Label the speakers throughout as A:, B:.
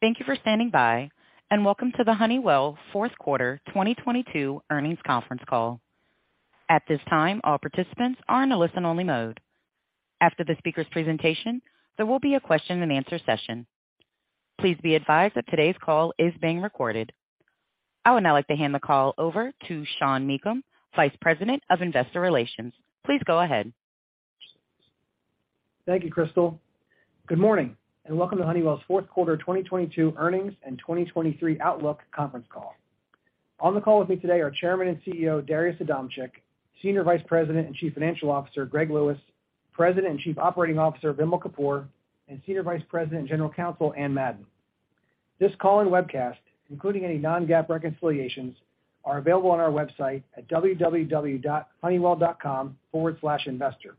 A: Thank you for standing by. Welcome to the Honeywell fourth quarter 2022 earnings conference call. At this time, all participants are in a listen-only mode. After the speaker's presentation, there will be a question and answer session. Please be advised that today's call is being recorded. I would now like to hand the call over to Sean Meakim, Vice President of Investor Relations. Please go ahead.
B: Thank you, Crystal. Good morning, welcome to Honeywell's fourth quarter 2022 earnings and 2023 outlook conference call. On the call with me today are Chairman and CEO, Darius Adamczyk, Senior Vice President and Chief Financial Officer, Greg Lewis, President and Chief Operating Officer, Vimal Kapur, and Senior Vice President and General Counsel, Anne Madden. This call and webcast, including any non-GAAP reconciliations, are available on our website at www.honeywell.com/investor.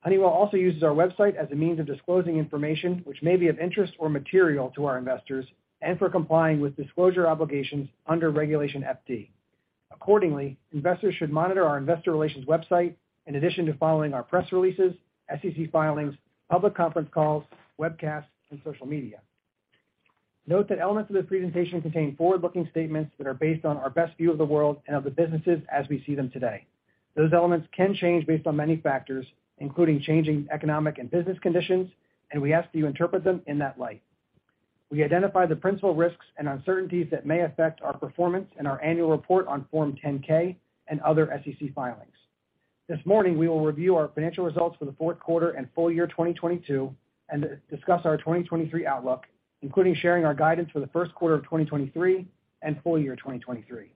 B: Honeywell also uses our website as a means of disclosing information which may be of interest or material to our investors and for complying with disclosure obligations under Regulation FD. Accordingly, investors should monitor our investor relations website in addition to following our press releases, SEC filings, public conference calls, webcasts, and social media. Note that elements of this presentation contain forward-looking statements that are based on our best view of the world and of the businesses as we see them today. Those elements can change based on many factors, including changing economic and business conditions, and we ask that you interpret them in that light. We identify the principal risks and uncertainties that may affect our performance in our annual report on Form 10-K and other SEC filings. This morning, we will review our financial results for the fourth quarter and full year 2022 and discuss our 2023 outlook, including sharing our guidance for the first quarter of 2023 and full year 2023.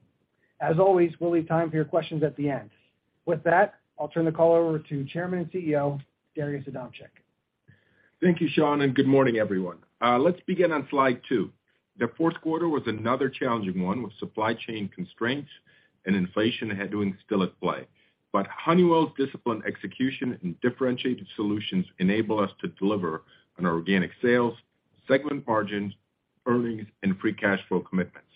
B: As always, we'll leave time for your questions at the end. With that, I'll turn the call over to Chairman and CEO, Darius Adamczyk.
C: Thank you, Sean, and good morning, everyone. Let's begin on slide two. The fourth quarter was another challenging one, with supply chain constraints and inflation headwind still at play. Honeywell's disciplined execution and differentiated solutions enable us to deliver on our organic sales, segment margins, earnings, and free cash flow commitments.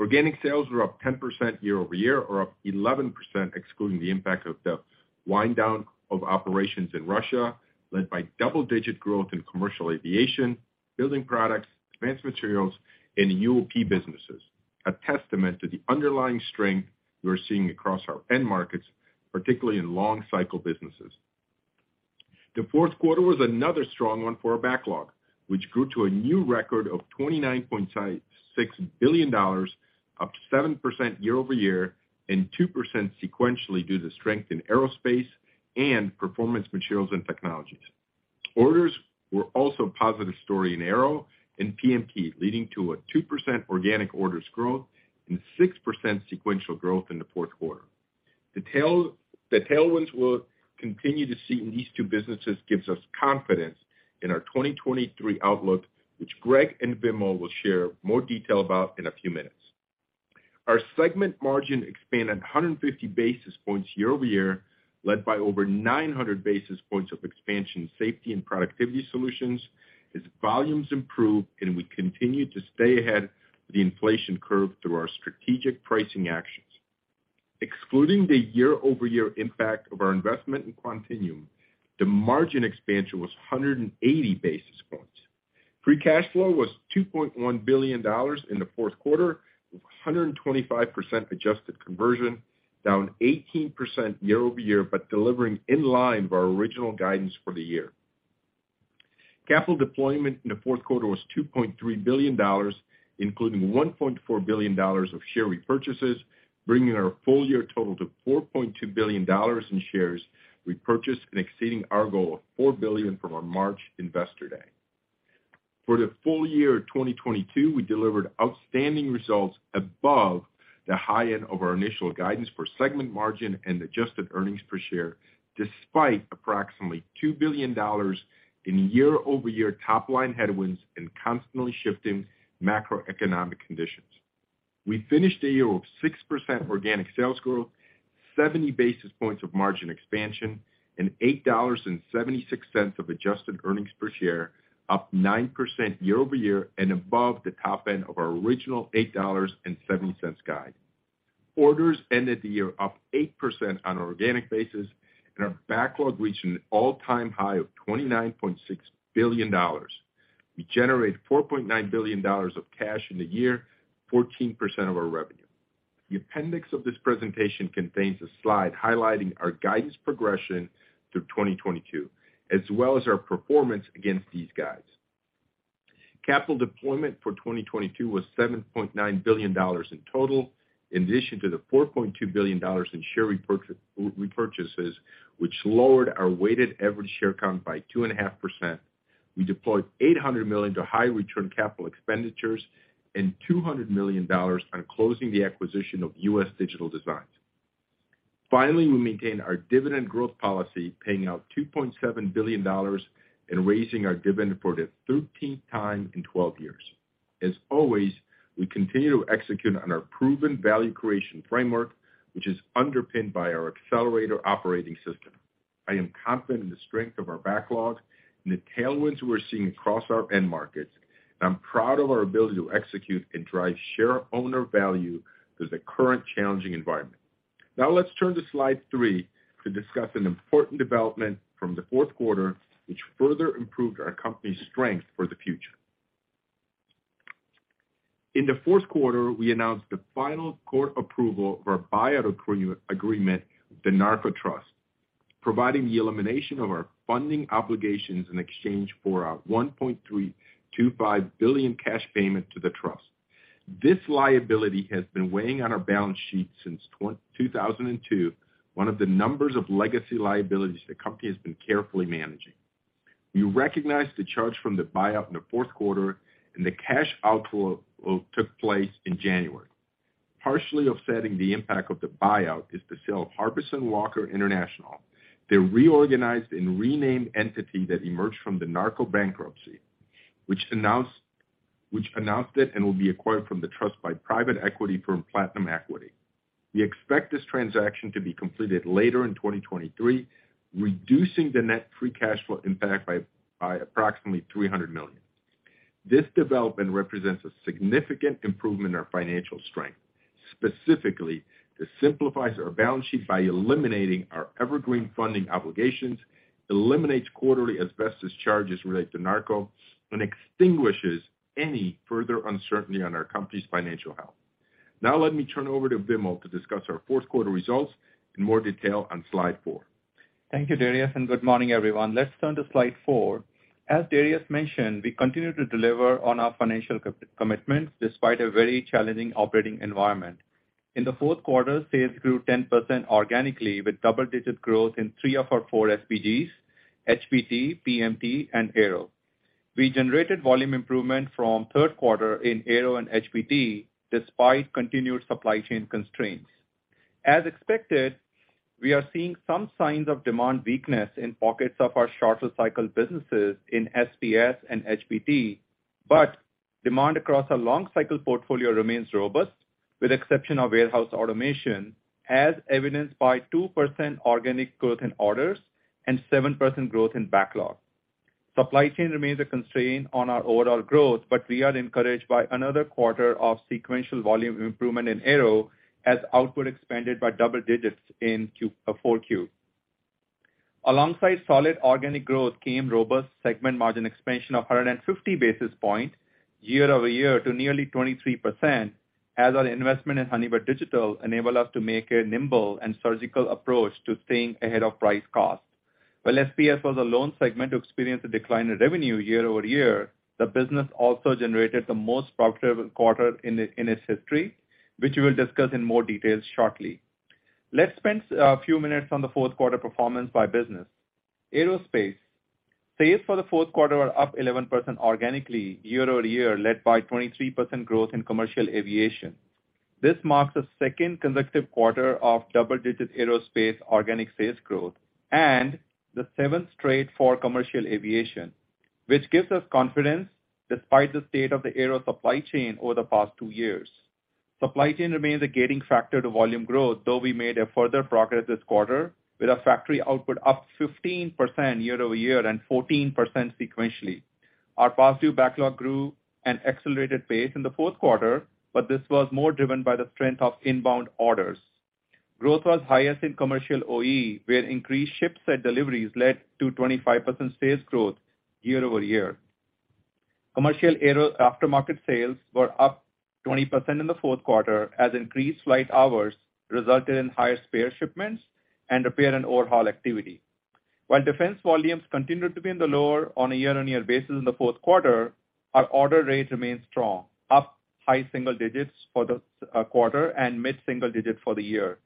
C: Organic sales were up 10% year-over-year, or up 11% excluding the impact of the wind down of operations in Russia, led by double-digit growth in commercial aviation, building products, advanced materials, and UOP businesses. A testament to the underlying strength we are seeing across our end markets, particularly in long cycle businesses. The fourth quarter was another strong one for our backlog, which grew to a new record of $29.6 billion, up 7% year-over-year and 2% sequentially due to strength in Aerospace and Performance Materials and Technologies. Orders were also a positive story in Aero and PMT, leading to a 2% organic orders growth and 6% sequential growth in the fourth quarter. The tailwinds we'll continue to see in these two businesses gives us confidence in our 2023 outlook, which Greg and Vimal will share more detail about in a few minutes. Our segment margin expanded 150 basis points year-over-year, led by over 900 basis points of expansion Safety and Productivity Solutions as volumes improve. We continue to stay ahead of the inflation curve through our strategic pricing actions. Excluding the year-over-year impact of our investment in Quantinuum, the margin expansion was 180 basis points. Free cash flow was $2.1 billion in the fourth quarter, with 125% adjusted conversion, down 18% year-over-year, delivering in line with our original guidance for the year. Capital deployment in the fourth quarter was $2.3 billion, including $1.4 billion of share repurchases, bringing our full year total to $4.2 billion in shares repurchased and exceeding our goal of $4 billion from our March investor day. For the full year of 2022, we delivered outstanding results above the high end of our initial guidance for segment margin and adjusted earnings per share, despite approximately $2 billion in year-over-year top-line headwinds and constantly shifting macroeconomic conditions. We finished the year with 6% organic sales growth, 70 basis points of margin expansion, and $8.76 of adjusted earnings per share, up 9% year-over-year and above the top end of our original $8.07 guide. Orders ended the year up 8% on an organic basis, and our backlog reached an all-time high of $29.6 billion. We generated $4.9 billion of cash in the year, 14% of our revenue. The appendix of this presentation contains a slide highlighting our guidance progression through 2022, as well as our performance against these guides. Capital deployment for 2022 was $7.9 billion in total. In addition to the $4.2 billion in share repurchases, which lowered our weighted average share count by 2.5%, we deployed $800 million to high return capital expenditures and $200 million on closing the acquisition of US Digital Designs. Finally, we maintained our dividend growth policy, paying out $2.7 billion and raising our dividend for the 13th time in 12 years. As always, we continue to execute on our proven value creation framework, which is underpinned by our Accelerator operating system. I am confident in the strength of our backlog and the tailwinds we're seeing across our end markets. I'm proud of our ability to execute and drive share owner value through the current challenging environment. Now let's turn to slide three to discuss an important development from the fourth quarter, which further improved our company's strength for the future. In the fourth quarter, we announced the final court approval of our buyout agreement with the NARCO Trust, providing the elimination of our funding obligations in exchange for a $1.325 billion cash payment to the trust. This liability has been weighing on our balance sheet since 2002, one of the numbers of legacy liabilities the company has been carefully managing. We recognized the charge from the buyout in the fourth quarter, and the cash outflow took place in January. Partially offsetting the impact of the buyout is the sale of HarbisonWalker International, the reorganized and renamed entity that emerged from the NARCO bankruptcy, which announced it and will be acquired from the trust by private equity firm Platinum Equity. We expect this transaction to be completed later in 2023, reducing the net free cash flow impact by approximately $300 million. This development represents a significant improvement in our financial strength, specifically it simplifies our balance sheet by eliminating our evergreen funding obligations, eliminates quarterly asbestos charges related to NARCO, and extinguishes any further uncertainty on our company's financial health. Let me turn over to Vimal to discuss our fourth quarter results in more detail on slide four.
D: Thank you, Darius, and good morning, everyone. Let's turn to slide four. As Darius mentioned, we continue to deliver on our financial co-commitments despite a very challenging operating environment. In the fourth quarter, sales grew 10% organically with double-digit growth in three of our four SBGs, HBT, PMT, and Aero. We generated volume improvement from third quarter in Aero and HBT despite continued supply chain constraints. As expected, we are seeing some signs of demand weakness in pockets of our shorter cycle businesses in SPS and HBT, but demand across our long cycle portfolio remains robust, with exception of warehouse automation, as evidenced by 2% organic growth in orders and 7% growth in backlog. Supply chain remains a constraint on our overall growth, but we are encouraged by another quarter of sequential volume improvement in Aero as output expanded by double digits in 4Q. Alongside solid organic growth came robust segment margin expansion of 150 basis points year-over-year to nearly 23% as our investment in Honeywell Digital enabled us to make a nimble and surgical approach to staying ahead of price cost. While SPS was a lone segment to experience a decline in revenue year-over-year, the business also generated the most profitable quarter in its history, which we'll discuss in more details shortly. Let's spend a few minutes on the fourth quarter performance by business. Aerospace. Sales for the fourth quarter were up 11% organically year-over-year, led by 23% growth in commercial aviation. This marks the second consecutive quarter of double-digit Aerospace organic sales growth and the seventh straight for commercial aviation, which gives us confidence despite the state of the Aero supply chain over the past two years. Supply chain remains a gaining factor to volume growth, though we made a further progress this quarter with our factory output up 15% year-over-year and 14% sequentially. Our past due backlog grew an accelerated pace in the fourth quarter, but this was more driven by the strength of inbound orders. Growth was highest in commercial OE, where increased ship set deliveries led to 25% sales growth year-over-year. Commercial Aero aftermarket sales were up 20% in the fourth quarter as increased flight hours resulted in higher spare shipments and repair and overhaul activity. While defense volumes continued to be in the lower on a year-on-year basis in the fourth quarter, our order rates remain strong, up high single digits for the quarter and mid-single digit for the year,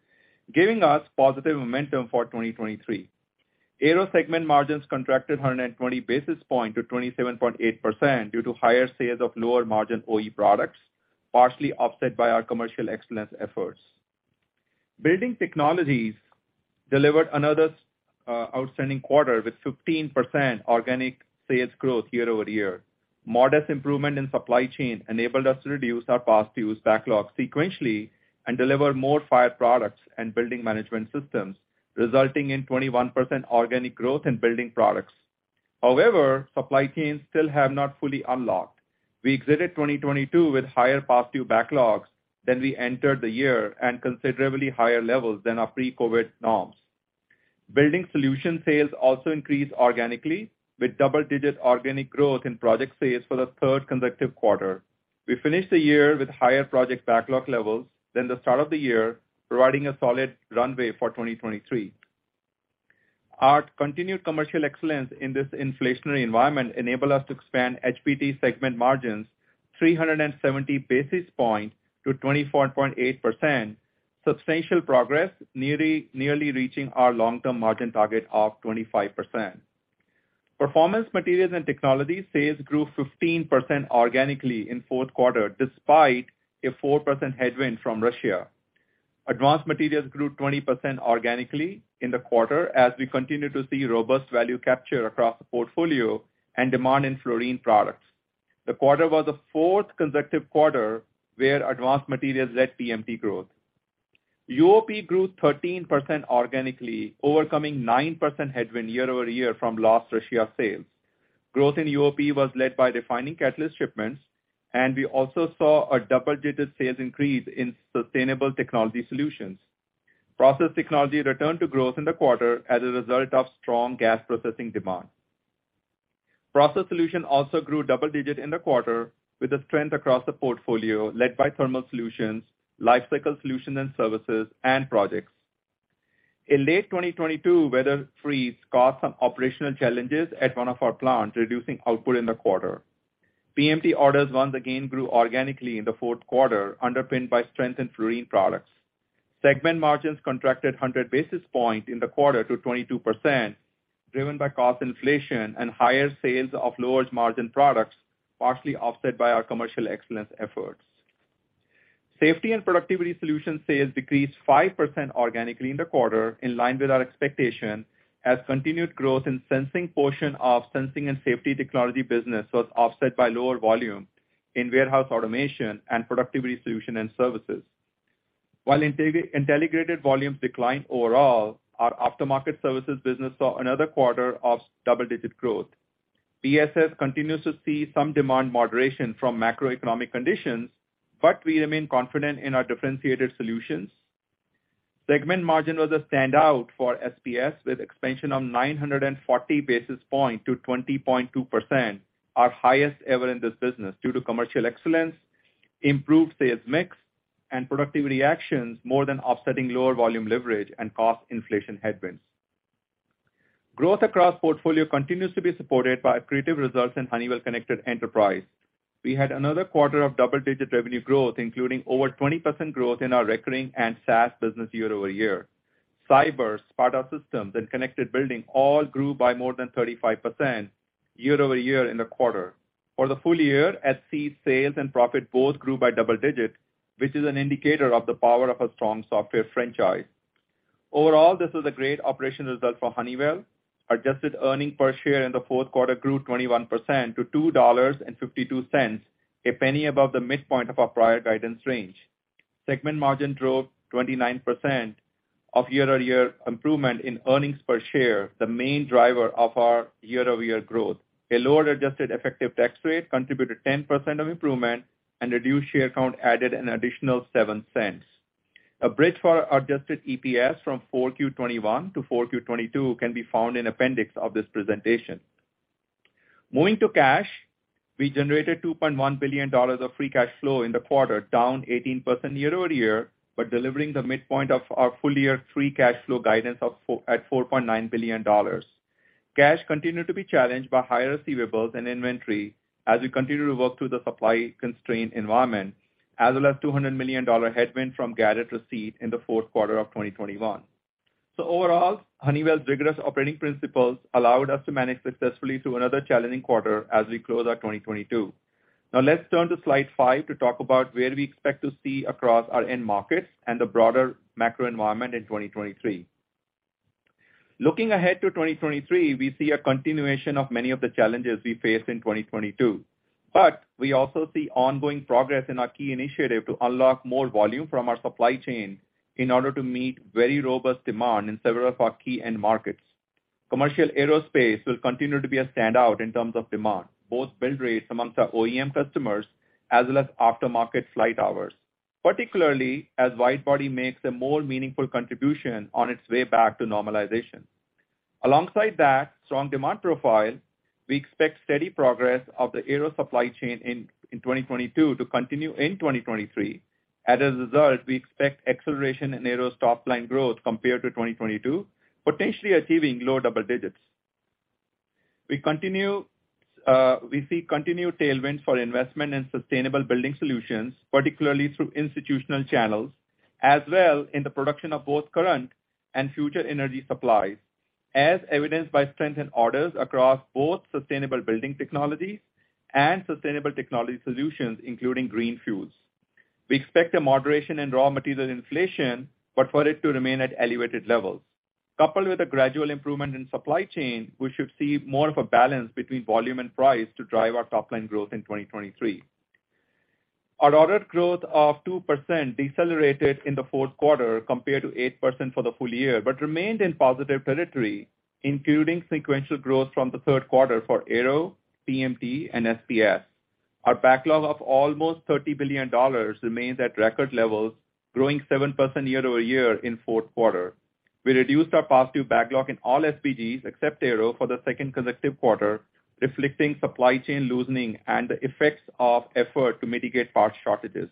D: giving us positive momentum for 2023. Aero segment margins contracted 120 basis points to 27.8% due to higher sales of lower margin OE products, partially offset by our commercial excellence efforts. Building Technologies delivered another outstanding quarter with 15% organic sales growth year-over-year. Modest improvement in supply chain enabled us to reduce our past due backlog sequentially and deliver more fire products and building management systems, resulting in 21% organic growth in building products. However, supply chains still have not fully unlocked. We exited 2022 with higher past due backlogs than we entered the year and considerably higher levels than our pre-COVID norms. Building Solution sales also increased organically with double-digit organic growth in project sales for the third consecutive quarter. We finished the year with higher project backlog levels than the start of the year, providing a solid runway for 2023. Our continued commercial excellence in this inflationary environment enabled us to expand HBT segment margins 370 basis points to 24.8%, substantial progress, nearly reaching our long-term margin target of 25%. Performance Materials and Technology sales grew 15% organically in fourth quarter, despite a 4% headwind from Russia. Advanced Materials grew 20% organically in the quarter as we continue to see robust value capture across the portfolio and demand in fluorine products. The quarter was the fourth consecutive quarter where Advanced Materials led PMT growth. UOP grew 13% organically, overcoming 9% headwind year-over-year from lost Russia sales. Growth in UOP was led by refining catalyst shipments, and we also saw a double-digit sales increase in Sustainable Technology Solutions. Process Technology returned to growth in the quarter as a result of strong gas processing demand. Process Solution also grew double-digit in the quarter with a strength across the portfolio led by thermal solutions, life cycle solution and services and projects. In late 2022, weather freeze caused some operational challenges at one of our plants, reducing output in the quarter. PMT orders once again grew organically in the fourth quarter, underpinned by strength in fluorine products. Segment margins contracted 100 basis points in the quarter to 22%, driven by cost inflation and higher sales of lower margin products, partially offset by our commercial excellence efforts. Safety and productivity solution sales decreased 5% organically in the quarter, in line with our expectation, as continued growth in sensing portion of sensing and safety technology business was offset by lower volume in warehouse automation and productivity solution and services. While Intelligrated volumes declined overall, our aftermarket services business saw another quarter of double-digit growth. PSS continues to see some demand moderation from macroeconomic conditions, we remain confident in our differentiated solutions. Segment margin was a standout for SPS, with expansion of 940 basis point to 20.2%, our highest ever in this business, due to commercial excellence, improved sales mix, and productivity actions more than offsetting lower volume leverage and cost inflation headwinds. Growth across portfolio continues to be supported by accretive results in Honeywell Connected Enterprise. We had another quarter of double-digit revenue growth, including over 20% growth in our recurring and SaaS business year-over-year. Cyber, Sparta Systems, and connected building all grew by more than 35% year-over-year in the quarter. For the full year, HC sales and profit both grew by double digits, which is an indicator of the power of a strong software franchise. Overall, this is a great operational result for Honeywell. Adjusted earnings per share in the fourth quarter grew 21% to $2.52, $0.01 above the midpoint of our prior guidance range. Segment margin drove 29% of year-over-year improvement in earnings per share, the main driver of our year-over-year growth. A lower adjusted effective tax rate contributed 10% of improvement, reduced share count added an additional $0.07. A bridge for adjusted EPS from 4Q 2021 to 4Q 2022 can be found in appendix of this presentation. Moving to cash, we generated $2.1 billion of free cash flow in the quarter, down 18% year-over-year, delivering the midpoint of our full-year free cash flow guidance at $4.9 billion. Cash continued to be challenged by higher receivables and inventory as we continue to work through the supply constraint environment, as well as $200 million headwind from Garrett receipt in the fourth quarter of 2021. Overall, Honeywell's rigorous operating principles allowed us to manage successfully through another challenging quarter as we close out 2022. Now let's turn to slide 5 to talk about where we expect to see across our end markets and the broader macro environment in 2023. Looking ahead to 2023, we see a continuation of many of the challenges we faced in 2022, but we also see ongoing progress in our key initiative to unlock more volume from our supply chain in order to meet very robust demand in several of our key end markets. Commercial Aerospace will continue to be a standout in terms of demand, both build rates amongst our OEM customers as well as aftermarket flight hours, particularly as wide body makes a more meaningful contribution on its way back to normalization. Alongside that strong demand profile, we expect steady progress of the Aero supply chain in 2022 to continue in 2023. As a result, we expect acceleration in Aero's top line growth compared to 2022, potentially achieving low double digits. We see continued tailwinds for investment in sustainable building solutions, particularly through institutional channels, as well in the production of both current and future energy supplies, as evidenced by strength in orders across both sustainable building technologies and sustainable technology solutions, including green fuels. We expect a moderation in raw material inflation, but for it to remain at elevated levels. Coupled with a gradual improvement in supply chain, we should see more of a balance between volume and price to drive our top line growth in 2023. Our order growth of 2% decelerated in the fourth quarter compared to 8% for the full year, remained in positive territory, including sequential growth from the third quarter for Aero, PMT, and SPS. Our backlog of almost $30 billion remains at record levels, growing 7% year-over-year in fourth quarter. We reduced our positive backlog in all SBGs except Aero for the second consecutive quarter, reflecting supply chain loosening and the effects of effort to mitigate parts shortages.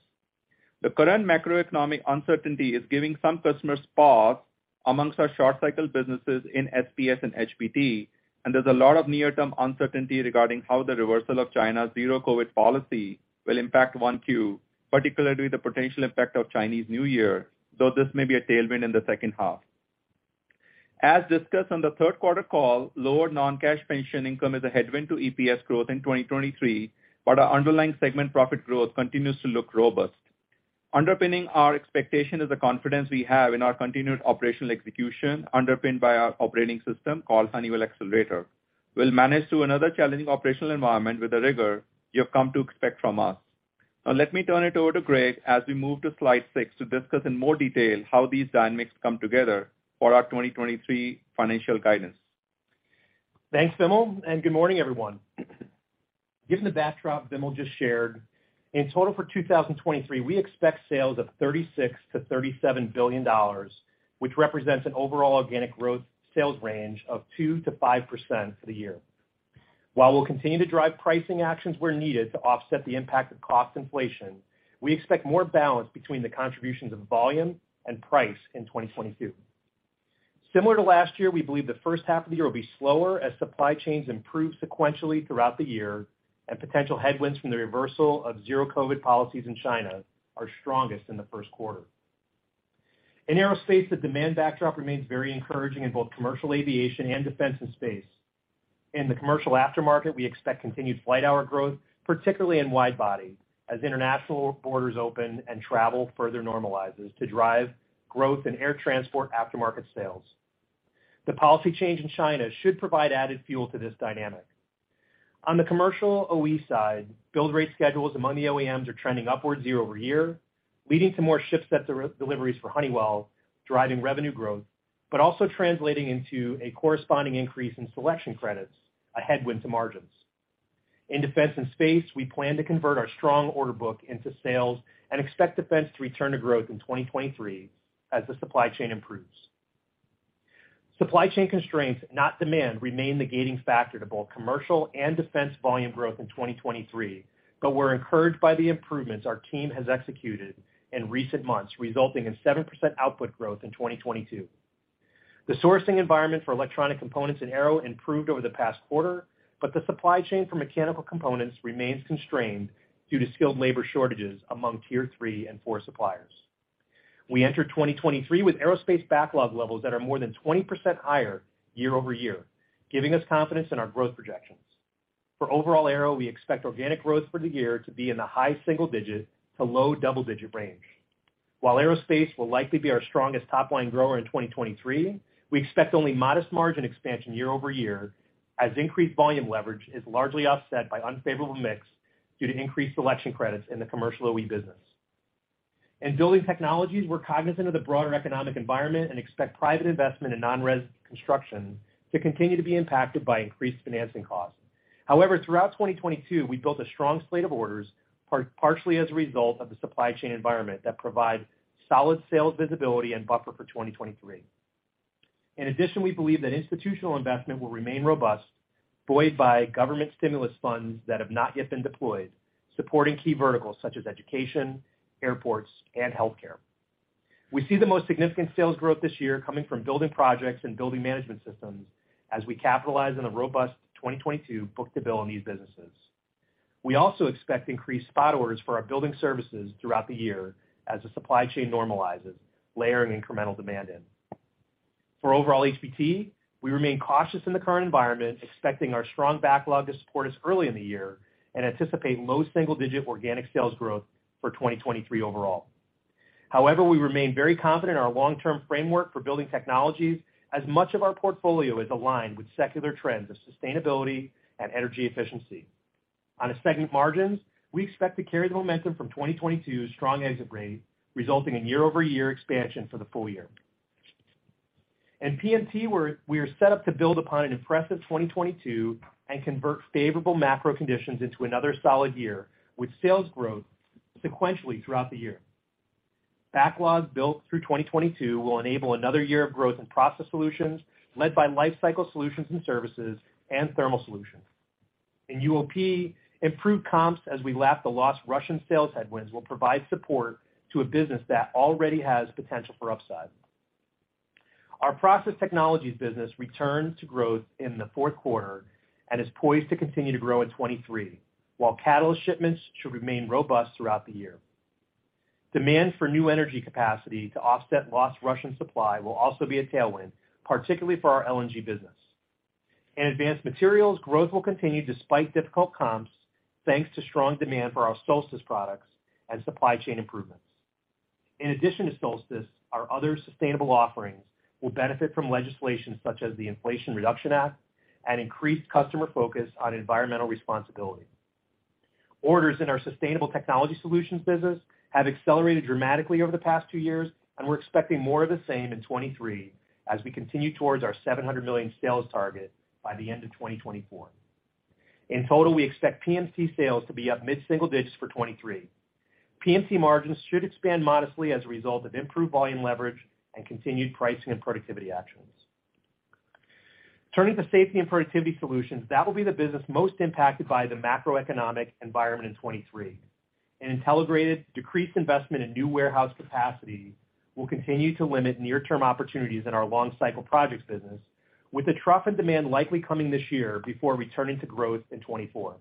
D: The current macroeconomic uncertainty is giving some customers pause amongst our short cycle businesses in SPS and HBT. There's a lot of near-term uncertainty regarding how the reversal of China's zero-COVID policy will impact 1Q, particularly the potential impact of Chinese New Year, though this may be a tailwind in the second half. As discussed on the third quarter call, lower non-cash pension income is a headwind to EPS growth in 2023. Our underlying segment profit growth continues to look robust. Underpinning our expectation is the confidence we have in our continued operational execution underpinned by our operating system called Honeywell Accelerator. We'll manage through another challenging operational environment with the rigor you have come to expect from us. Let me turn it over to Greg as we move to slide six to discuss in more detail how these dynamics come together for our 2023 financial guidance.
E: Thanks, Vimal, good morning, everyone. Given the backdrop Vimal just shared, in total for 2023, we expect sales of $36 billion-$37 billion, which represents an overall organic growth sales range of 2%-5% for the year. While we'll continue to drive pricing actions where needed to offset the impact of cost inflation, we expect more balance between the contributions of volume and price in 2022. Similar to last year, we believe the first half of the year will be slower as supply chains improve sequentially throughout the year and potential headwinds from the reversal of zero-COVID policies in China are strongest in the first quarter. In Aerospace, the demand backdrop remains very encouraging in both commercial aviation and defense and space. In the commercial aftermarket, we expect continued flight hour growth, particularly in wide body, as international borders open and travel further normalizes to drive growth in air transport aftermarket sales. The policy change in China should provide added fuel to this dynamic. On the commercial OE side, build rate schedules among the OEMs are trending upwards year-over-year, leading to more ship set de- deliveries for Honeywell, driving revenue growth, but also translating into a corresponding increase in selection credits, a headwind to margins. In defense and space, we plan to convert our strong order book into sales and expect defense to return to growth in 2023 as the supply chain improves. Supply chain constraints, not demand, remain the gating factor to both commercial and defense volume growth in 2023. We're encouraged by the improvements our team has executed in recent months, resulting in 7% output growth in 2022. The sourcing environment for electronic components in Aero improved over the past quarter. The supply chain for mechanical components remains constrained due to skilled labor shortages among tier three and four suppliers. We enter 2023 with Aerospace backlog levels that are more than 20% higher year-over-year, giving us confidence in our growth projections. For overall Aero, we expect organic growth for the year to be in the high single digit to low double-digit range. While Aerospace will likely be our strongest top-line grower in 2023, we expect only modest margin expansion year-over-year as increased volume leverage is largely offset by unfavorable mix due to increased selection credits in the commercial OE business. In Building Technologies, we're cognizant of the broader economic environment and expect private investment in non-res construction to continue to be impacted by increased financing costs. Throughout 2022, we built a strong slate of orders, partially as a result of the supply chain environment that provide solid sales visibility and buffer for 2023. We believe that institutional investment will remain robust, buoyed by government stimulus funds that have not yet been deployed, supporting key verticals such as education, airports, and healthcare. We see the most significant sales growth this year coming from building projects and building management systems as we capitalize on a robust 2022 book-to-bill in these businesses. We also expect increased spot orders for our building services throughout the year as the supply chain normalizes, layering incremental demand in. For overall HBT, we remain cautious in the current environment, expecting our strong backlog to support us early in the year and anticipate low single-digit organic sales growth for 2023 overall. However, we remain very confident in our long-term framework for building technologies as much of our portfolio is aligned with secular trends of sustainability and energy efficiency. On segment margins, we expect to carry the momentum from 2022's strong exit rate, resulting in year-over-year expansion for the full year. In PMT, we are set up to build upon an impressive 2022 and convert favorable macro conditions into another solid year with sales growth sequentially throughout the year. Backlogs built through 2022 will enable another year of growth in process solutions led by lifecycle solutions and services and thermal solutions. In UOP, improved comps as we lap the lost Russian sales headwinds will provide support to a business that already has potential for upside. Our process technologies business returned to growth in the fourth quarter and is poised to continue to grow in 2023, while catalyst shipments should remain robust throughout the year. Demand for new energy capacity to offset lost Russian supply will also be a tailwind, particularly for our LNG business. In advanced materials, growth will continue despite difficult comps, thanks to strong demand for our Solstice products and supply chain improvements. In addition to Solstice, our other sustainable offerings will benefit from legislation such as the Inflation Reduction Act and increased customer focus on environmental responsibility. We're expecting more of the same in 2023 as we continue towards our $700 million sales target by the end of 2024. In total, we expect PMT sales to be up mid-single digits for 2023. PMT margins should expand modestly as a result of improved volume leverage and continued pricing and productivity actions. Turning to Safety and Productivity Solutions, that will be the business most impacted by the macroeconomic environment in 2023. In Intelligrated, decreased investment in new warehouse capacity will continue to limit near-term opportunities in our long cycle projects business, with the trough in demand likely coming this year before returning to growth in 2024.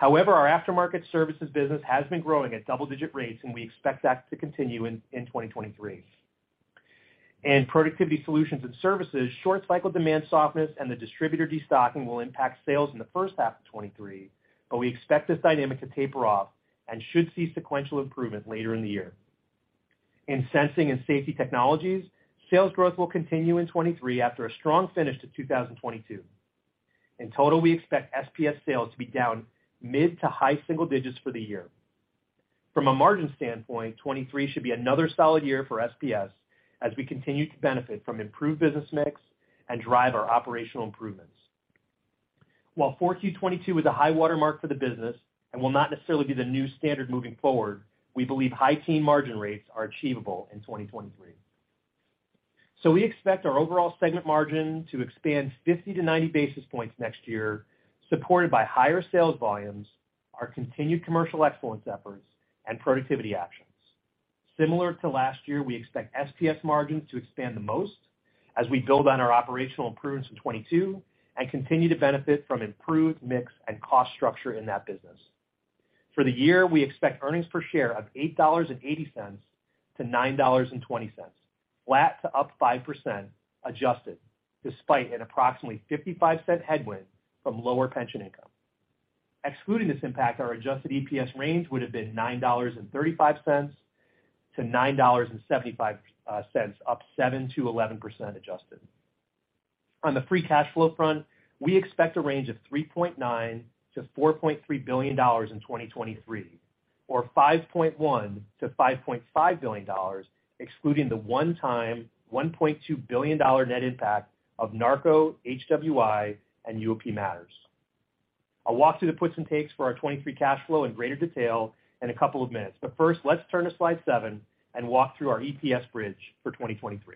E: Our aftermarket services business has been growing at double-digit rates, and we expect that to continue in 2023. In productivity solutions and services, short cycle demand softness and the distributor destocking will impact sales in the first half of 2023, we expect this dynamic to taper off and should see sequential improvement later in the year. In sensing and safety technologies, sales growth will continue in 2023 after a strong finish to 2022. In total, we expect SPS sales to be down mid-to-high single digits for the year. From a margin standpoint, 2023 should be another solid year for SPS as we continue to benefit from improved business mix and drive our operational improvements. While 4Q 2022 is a high water mark for the business and will not necessarily be the new standard moving forward, we believe high-teen margin rates are achievable in 2023. We expect our overall segment margin to expand 50 basis points-90 basis points next year, supported by higher sales volumes, our continued commercial excellence efforts and productivity actions. Similar to last year, we expect SPS margins to expand the most as we build on our operational improvements in 2022 and continue to benefit from improved mix and cost structure in that business. For the year, we expect earnings per share of $8.80-$9.20, flat to up 5% adjusted, despite an approximately $0.55 headwind from lower pension income. Excluding this impact, our adjusted EPS range would have been $9.35-$9.75, up 7%-11% adjusted. On the free cash flow front, we expect a range of $3.9 billion-$4.3 billion in 2023, or $5.1 billion-$5.5 billion, excluding the one-time $1.2 billion net impact of NARCO, HWI and UOP Matters. I'll walk through the puts and takes for our 2023 cash flow in greater detail in a couple of minutes. First, let's turn to slide seven and walk through our EPS bridge for 2023.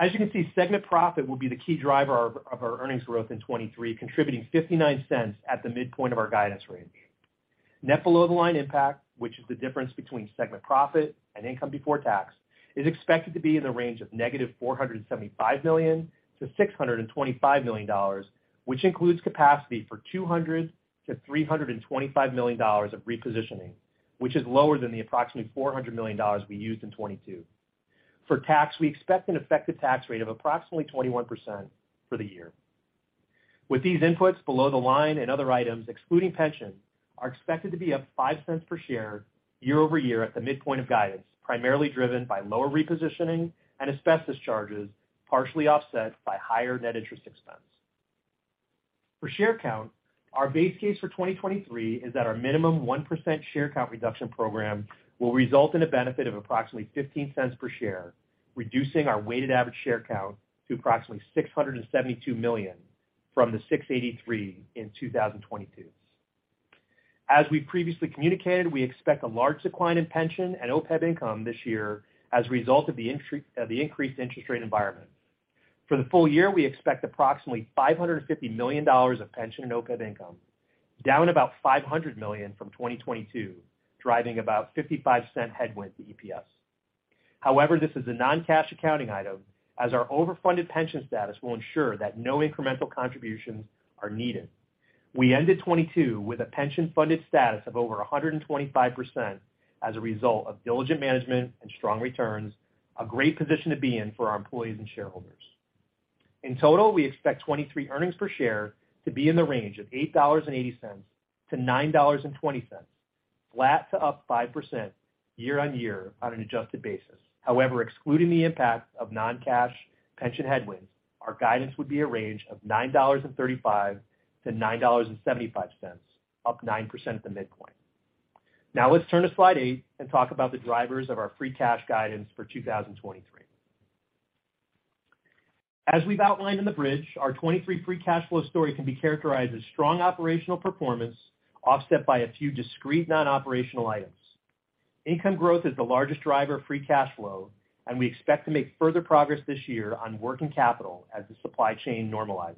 E: As you can see, segment profit will be the key driver of our earnings growth in 2023, contributing $0.59 at the midpoint of our guidance range. Net below-the-line impact, which is the difference between segment profit and income before tax, is expected to be in the range of negative $475 million-$625 million, which includes capacity for $200 million-$325 million of repositioning, which is lower than the approximately $400 million we used in 2022. For tax, we expect an effective tax rate of approximately 21% for the year. With these inputs, below the line and other items excluding pension are expected to be up $0.05 per share year-over-year at the midpoint of guidance, primarily driven by lower repositioning and asbestos charges, partially offset by higher net interest expense. For share count, our base case for 2023 is that our minimum 1% share count reduction program will result in a benefit of approximately $0.15 per share, reducing our weighted average share count to approximately 672 million from the 683 million in 2022. As we previously communicated, we expect a large decline in pension and OPEB income this year as a result of the increased interest rate environment. For the full year, we expect approximately $550 million of pension and OPEB income, down about $500 million from 2022, driving about $0.55 headwind to EPS. However, this is a non-cash accounting item, as our overfunded pension status will ensure that no incremental contributions are needed. We ended 2022 with a pension-funded status of over 125% as a result of diligent management and strong returns, a great position to be in for our employees and shareholders. In total, we expect 2023 EPS to be in the range of $8.80-$9.20, flat to up 5% year-on-year on an adjusted basis. However, excluding the impact of non-cash pension headwinds, our guidance would be a range of $9.35-$9.75, up 9% at the midpoint. Now let's turn to slide eight and talk about the drivers of our free cash guidance for 2023. As we've outlined in the bridge, our 2023 free cash flow story can be characterized as strong operational performance offset by a few discrete non-operational items. Income growth is the largest driver of free cash flow, and we expect to make further progress this year on working capital as the supply chain normalizes.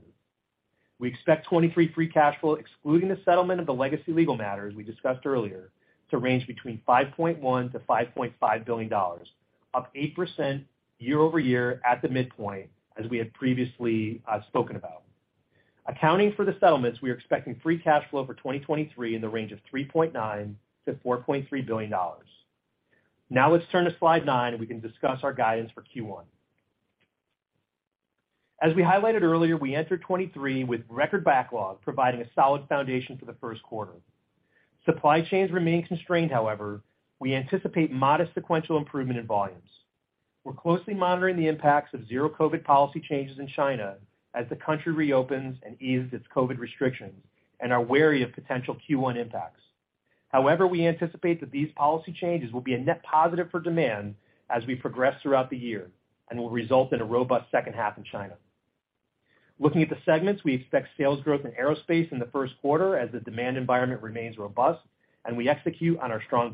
E: We expect 2023 free cash flow, excluding the settlement of the legacy legal matters we discussed earlier, to range between $5.1 billion-$5.5 billion, up 8% year-over-year at the midpoint, as we had previously spoken about. Accounting for the settlements, we are expecting free cash flow for 2023 in the range of $3.9 billion-$4.3 billion. Let's turn to slide nine and we can discuss our guidance for Q1. As we highlighted earlier, we entered 2023 with record backlog, providing a solid foundation for the first quarter. Supply chains remain constrained, however, we anticipate modest sequential improvement in volumes. We're closely monitoring the impacts of zero-COVID policy changes in China as the country reopens and eases its COVID restrictions and are wary of potential Q1 impacts. We anticipate that these policy changes will be a net positive for demand as we progress throughout the year and will result in a robust second half in China. Looking at the segments, we expect sales growth in Aerospace in the first quarter as the demand environment remains robust and we execute on our strong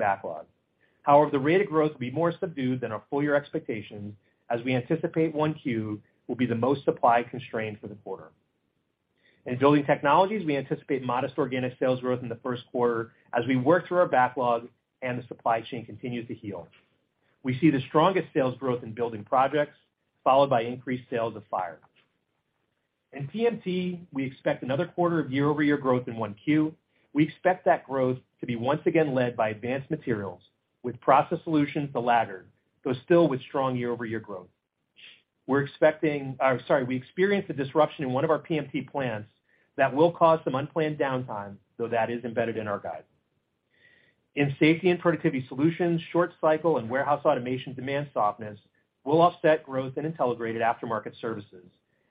E: backlog. The rate of growth will be more subdued than our full year expectations as we anticipate 1Q will be the most supply constrained for the quarter. In Building Technologies, we anticipate modest organic sales growth in the first quarter as we work through our backlog and the supply chain continues to heal. We see the strongest sales growth in building projects, followed by increased sales of fire. In PMT, we expect another quarter of year-over-year growth in 1Q. We expect that growth to be once again led by advanced materials with process solutions the latter, though still with strong year-over-year growth. Oh, sorry. We experienced a disruption in one of our PMT plants that will cause some unplanned downtime. That is embedded in our guide. In safety and productivity solutions, short cycle and warehouse automation demand softness will offset growth in Intelligrated aftermarket services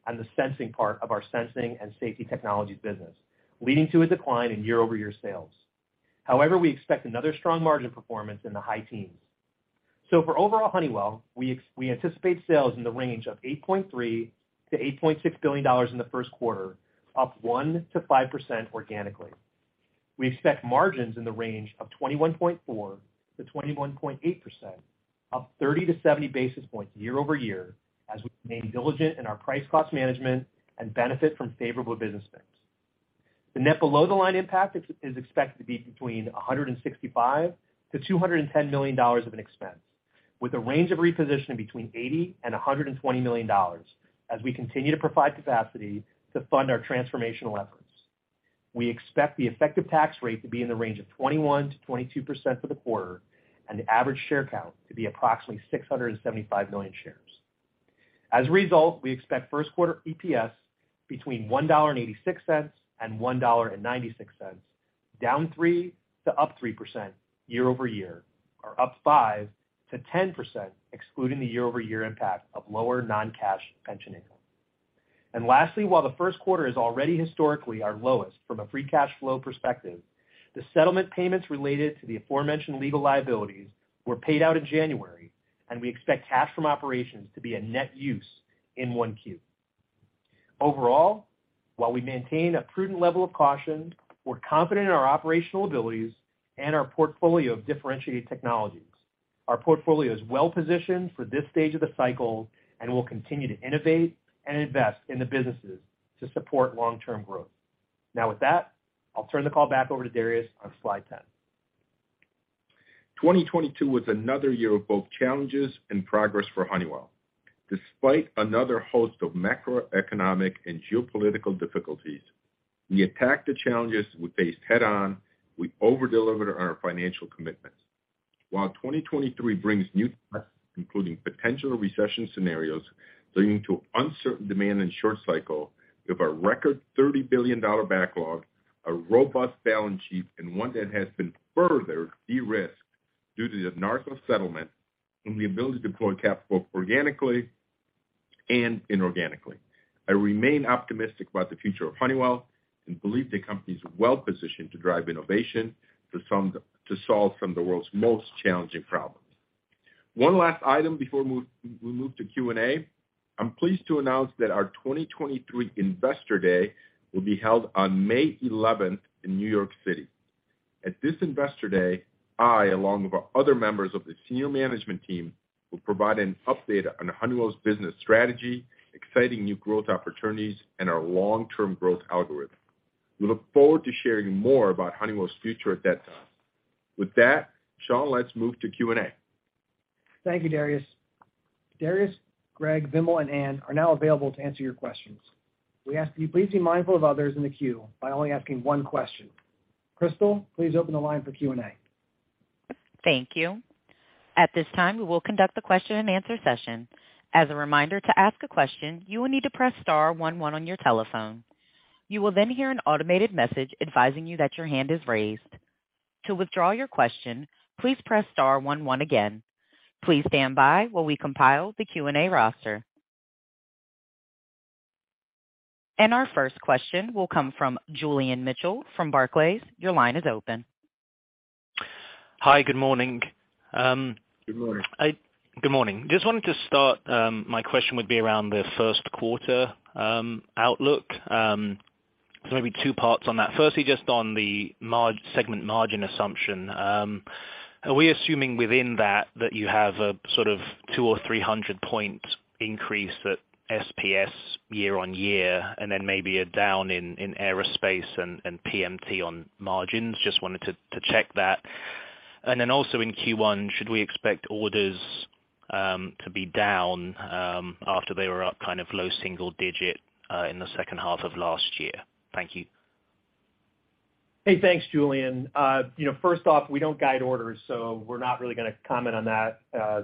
E: and the sensing part of our sensing and safety technologies business, leading to a decline in year-over-year sales. We expect another strong margin performance in the high teens. For overall Honeywell, we anticipate sales in the range of $8.3 billion-$8.6 billion in the first quarter, up 1%-5% organically. We expect margins in the range of 21.4%-21.8%, up 30-70 basis points year-over-year, as we remain diligent in our price cost management and benefit from favorable business mix. The net below-the-line impact is expected to be between $165 million-$210 million of an expense, with a range of repositioning between $80 million and $120 million, as we continue to provide capacity to fund our transformational efforts. We expect the effective tax rate to be in the range of 21%-22% for the quarter and the average share count to be approximately 675 million shares. As a result, we expect first quarter EPS between $1.86 and $1.96, down 3% to up 3% year-over-year, or up 5%-10% excluding the year-over-year impact of lower non-cash pension income. Lastly, while the first quarter is already historically our lowest from a free cash flow perspective, the settlement payments related to the aforementioned legal liabilities were paid out in January, and we expect cash from operations to be a net use in 1Q. Overall, while we maintain a prudent level of caution, we're confident in our operational abilities and our portfolio of differentiated technologies. Our portfolio is well positioned for this stage of the cycle, and we'll continue to innovate and invest in the businesses to support long-term growth. Now with that, I'll turn the call back over to Darius on slide 10.
C: 2022 was another year of both challenges and progress for Honeywell. Despite another host of macroeconomic and geopolitical difficulties, we attacked the challenges we faced head on. We over-delivered on our financial commitments. While 2023 brings new tests, including potential recession scenarios leading to uncertain demand and short cycle, we have a record $30 billion backlog, a robust balance sheet, and one that has been further de-risked due to the NARCO settlement and the ability to deploy capital organically and inorganically. I remain optimistic about the future of Honeywell and believe the company is well positioned to drive innovation to solve some of the world's most challenging problems. One last item before we move to Q&A. I'm pleased to announce that our 2023 Investor Day will be held on May 11th in New York City. At this Investor Day, I, along with our other members of the senior management team, will provide an update on Honeywell's business strategy, exciting new growth opportunities, and our long-term growth algorithm. We look forward to sharing more about Honeywell's future at that time. With that, Sean, let's move to Q&A.
B: Thank you, Darius. Darius, Greg, Vimal, and Anne are now available to answer your questions. We ask that you please be mindful of others in the queue by only asking one question. Crystal, please open the line for Q&A.
A: Thank you. At this time, we will conduct the question-and-answer session. As a reminder, to ask a question, you will need to press star one one on your telephone. You will then hear an automated message advising you that your hand is raised. To withdraw your question, please press star one one again. Please stand by while we compile the Q&A roster. Our first question will come from Julian Mitchell from Barclays. Your line is open.
F: Hi. Good morning.
C: Good morning.
F: Good morning. Just wanted to start, my question would be around the first quarter outlook. Maybe two parts on that. Firstly, just on the segment margin assumption. Are we assuming within that you have a sort of 200 or 300 point increase at SPS year-on-year, and then maybe a down in Aerospace and PMT on margins? Just wanted to check that. Also in Q1, should we expect orders to be down after they were up kind of low single-digit in the second half of last year? Thank you.
E: Thanks, Julian. You know, first off, we don't guide orders, we're not really gonna comment on that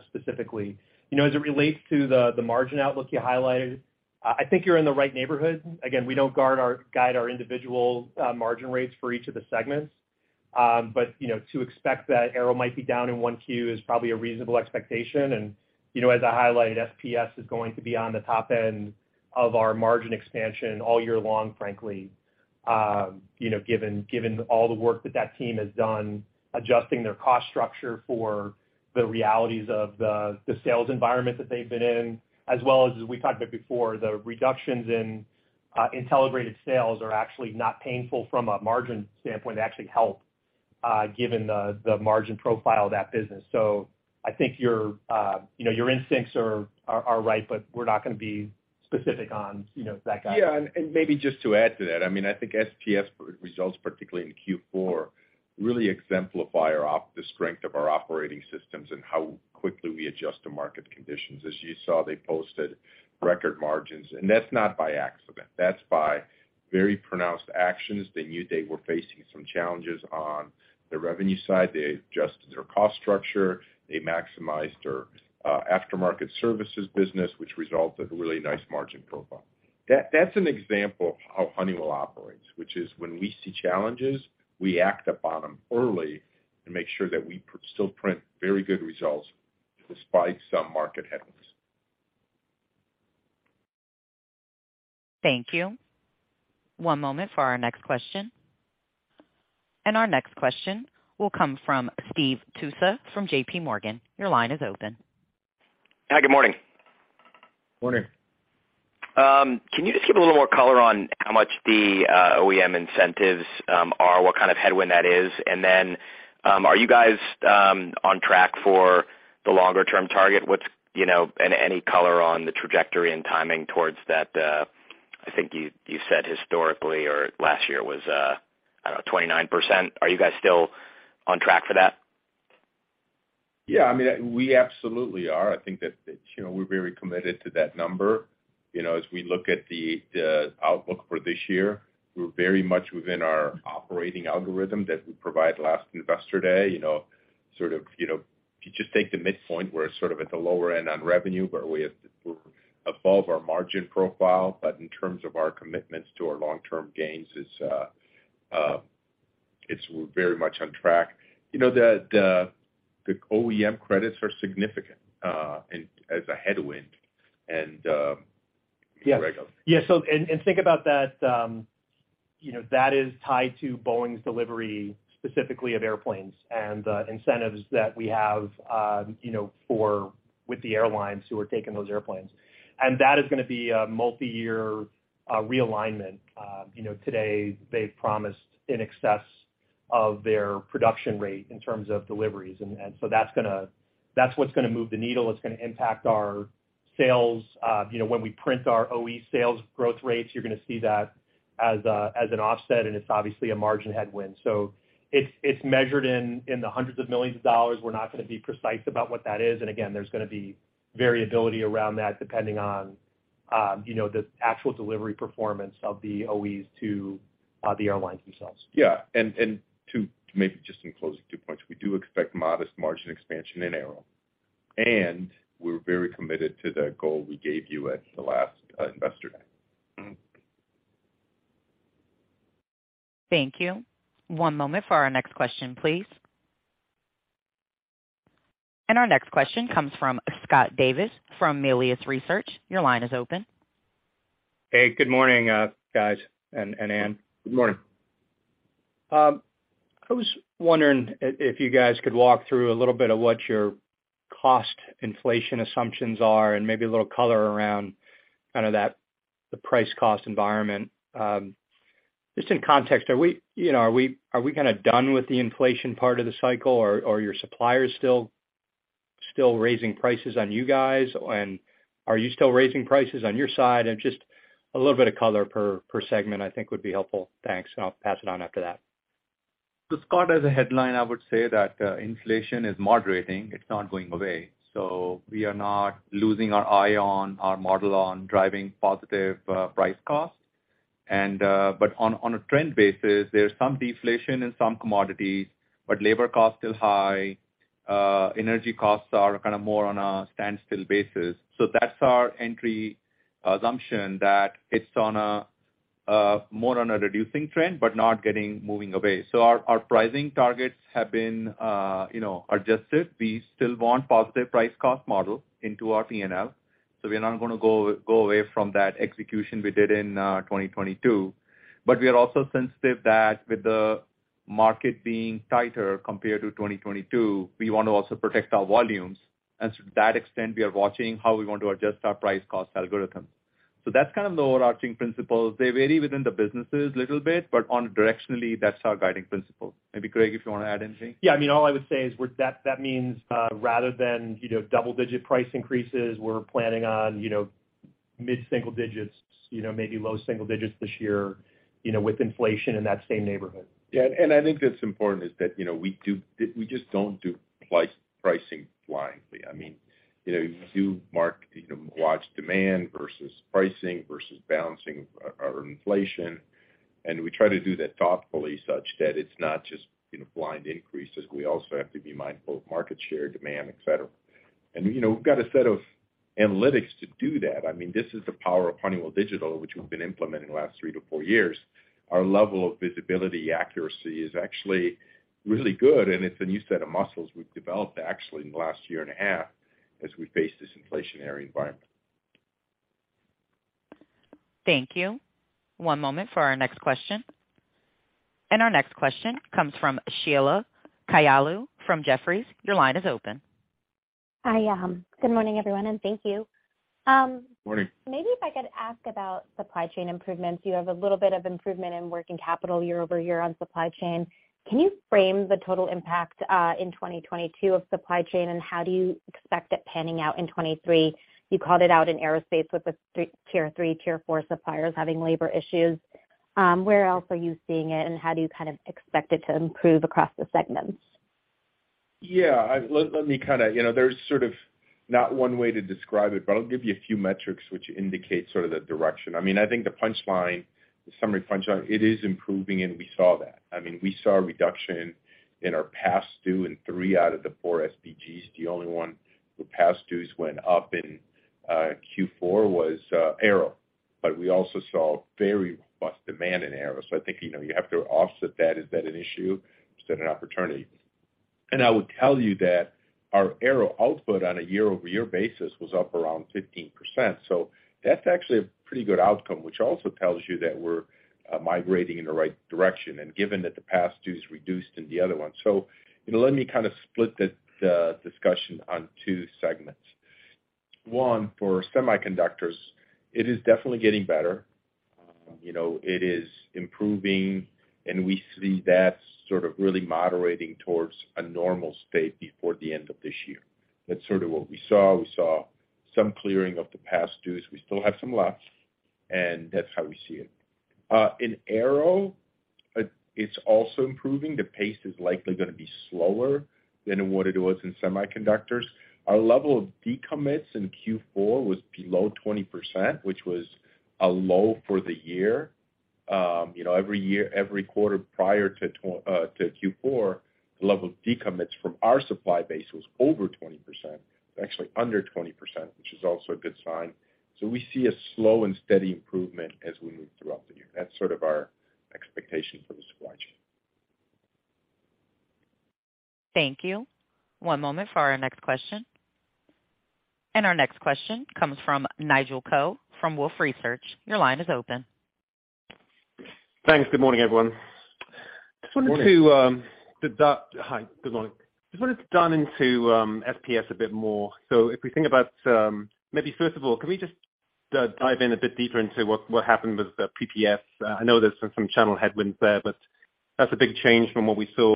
E: specifically. You know, as it relates to the margin outlook you highlighted, I think you're in the right neighborhood. Again, we don't guide our individual margin rates for each of the segments. You know, to expect that Aero might be down in 1Q is probably a reasonable expectation. You know, as I highlighted, SPS is going to be on the top end of our margin expansion all year long, frankly, you know, given all the work that that team has done, adjusting their cost structure for the realities of the sales environment that they've been in, as well as we talked about before, the reductions in Intelligrated sales are actually not painful from a margin standpoint. They actually help, given the margin profile of that business. So I think your, you know, your instincts are right, but we're not gonna be specific on, you know, that guidance.
C: Yeah, maybe just to add to that, I mean, I think SPS results, particularly in Q4, really exemplify the strength of our operating systems and how quickly we adjust to market conditions. As you saw, they posted record margins. That's not by accident. That's by very pronounced actions. They knew they were facing some challenges on the revenue side. They adjusted their cost structure. They maximized their aftermarket services business, which resulted in a really nice margin profile. That's an example of how Honeywell operates, which is when we see challenges, we act upon them early and make sure that we still print very good results despite some market headwinds.
A: Thank you. One moment for our next question. Our next question will come from Steve Tusa from JPMorgan. Your line is open.
G: Hi, good morning.
C: Morning.
G: Can you just give a little more color on how much the OEM incentives are? What kind of headwind that is? Are you guys on track for the longer term target? What's, you know? Any color on the trajectory and timing towards that? I think you said historically or last year was 29%. Are you guys still on track for that?
C: Yeah. I mean, we absolutely are. I think that, you know, we're very committed to that number. You know, as we look at the outlook for this year, we're very much within our operating algorithm that we provided last investor day. You know, sort of, you know, if you just take the midpoint, we're sort of at the lower end on revenue, but we're above our margin profile. In terms of our commitments to our long-term gains, it's, we're very much on track. You know, the OEM credits are significant as a headwind and regular.
E: Yeah. think about that, you know, that is tied to Boeing's delivery specifically of airplanes and the incentives that we have, you know, for, with the airlines who are taking those airplanes. That is gonna be a multiyear realignment. You know, today they've promised in excess of their production rate in terms of deliveries. That's what's gonna move the needle. It's gonna impact our sales. You know, when we print our OE sales growth rates, you're gonna see that as an offset and it's obviously a margin headwind. It's measured in the hundreds of millions of dollars. We're not gonna be precise about what that is. Again, there's gonna be variability around that depending on, you know, the actual delivery performance of the OEs to the airlines themselves.
C: Yeah. To maybe just in closing two points, we do expect modest margin expansion in Aerospace, and we're very committed to the goal we gave you at the last investor day.
A: Thank you. One moment for our next question, please. Our next question comes from Scott Davis from Melius Research. Your line is open.
H: Hey, good morning, guys and Anne.
C: Good morning.
H: I was wondering if you guys could walk through a little bit of what your cost inflation assumptions are and maybe a little color around kind of that, the price cost environment. Just in context, are we, you know, are we kind of done with the inflation part of the cycle or are your suppliers still raising prices on you guys? Are you still raising prices on your side? Just a little bit of color per segment I think would be helpful. Thanks. I'll pass it on after that.
D: Scott, as a headline, I would say that inflation is moderating. It's not going away. We are not losing our eye on our model on driving positive price cost. But on a trend basis, there's some deflation in some commodities, but labor costs still high. Energy costs are kind of more on a standstill basis. That's our entry assumption that it's on a more on a reducing trend, but not getting moving away. Our, our pricing targets have been, you know, adjusted. We still want positive price cost model into our P&L, so we are not gonna go away from that execution we did in 2022. We are also sensitive that with the market being tighter compared to 2022, we want to also protect our volumes. To that extent, we are watching how we want to adjust our price cost algorithm. That's kind of the overarching principles. They vary within the businesses little bit, but on directionally, that's our guiding principle. Maybe Greg, if you wanna add anything?
E: Yeah. I mean, all I would say is that means, rather than, you know, double-digit price increases, we're planning on, you know, mid-single-digits, you know, maybe low-single-digits this year, you know, with inflation in that same neighborhood.
C: I think that's important is that, you know, we just don't do pricing blindly. I mean, you know, we do, you know, watch demand versus pricing versus balancing our inflation. We try to do that thoughtfully such that it's not just, you know, blind increases. We also have to be mindful of market share, demand, et cetera. You know, we've got a set of analytics to do that. I mean, this is the power of Honeywell Digital, which we've been implementing the last three to four years. Our level of visibility accuracy is actually really good, and it's a new set of muscles we've developed actually in the last year and a half as we face this inflationary environment.
A: Thank you. One moment for our next question. Our next question comes from Sheila Kahyaoglu from Jefferies. Your line is open.
I: Hi. Good morning everyone, and thank you.
C: Morning.
I: Maybe if I could ask about supply chain improvements. You have a little bit of improvement in working capital year-over-year on supply chain. Can you frame the total impact in 2022 of supply chain, and how do you expect it panning out in 2023? You called it out in Aerospace with Tier 3, Tier 4 suppliers having labor issues. Where else are you seeing it, and how do you kind of expect it to improve across the segments?
C: Yeah. Let me kinda. You know, there's sort of not one way to describe it, but I'll give you a few metrics which indicate sort of the direction. I mean, I think the punchline, the summary punchline, it is improving and we saw that. I mean, we saw a reduction in our past due in three out of the four SBGs. The only one where past dues went up in Q4 was Aerospace. But we also saw very robust demand in Aerospace. I think, you know, you have to offset that. Is that an issue instead of an opportunity? I would tell you that our Aerospace output on a year-over-year basis was up around 15%. That's actually a pretty good outcome, which also tells you that we're migrating in the right direction and given that the past due is reduced in the other one. You know, let me kind of split the discussion on two segments. One, for Semiconductors, it is definitely getting better. You know, it is improving, and we see that sort of really moderating towards a normal state before the end of this year. That's sort of what we saw. We saw some clearing of the past dues. We still have some left, and that's how we see it. In Aero, it's also improving. The pace is likely gonna be slower than what it was in Semiconductors. Our level of decommits in Q4 was below 20%, which was a low for the year. You know, every year, every quarter prior to Q4, the level of decommits from our supply base was over 20%. It's actually under 20%, which is also a good sign. So we see a slow and steady improvement as we move throughout the year. That's sort of our expectation for the supply chain.
A: Thank you. One moment for our next question. Our next question comes from Nigel Coe from Wolfe Research. Your line is open.
J: Thanks. Good morning, everyone.
C: Morning.
J: Hi. Good morning. Just wanted to dive into SPS a bit more. If we think about maybe first of all, can we just dive in a bit deeper into what happened with the PPS? I know there's some channel headwinds there, but that's a big change from what we saw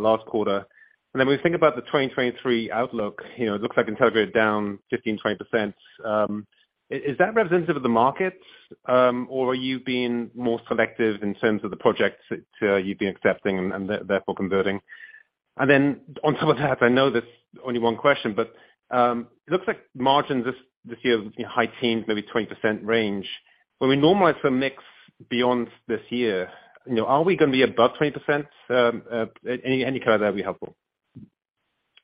J: last quarter. When we think about the 2023 outlook, you know, it looks like Intelligrated down 15%, 20%. Is that representative of the markets, or are you being more selective in terms of the projects that you've been accepting and therefore converting? On top of that, I know that's only one question, but it looks like margins this year high teens, maybe 20% range. When we normalize for mix beyond this year, you know, are we gonna be above 20%? Any color there would be helpful.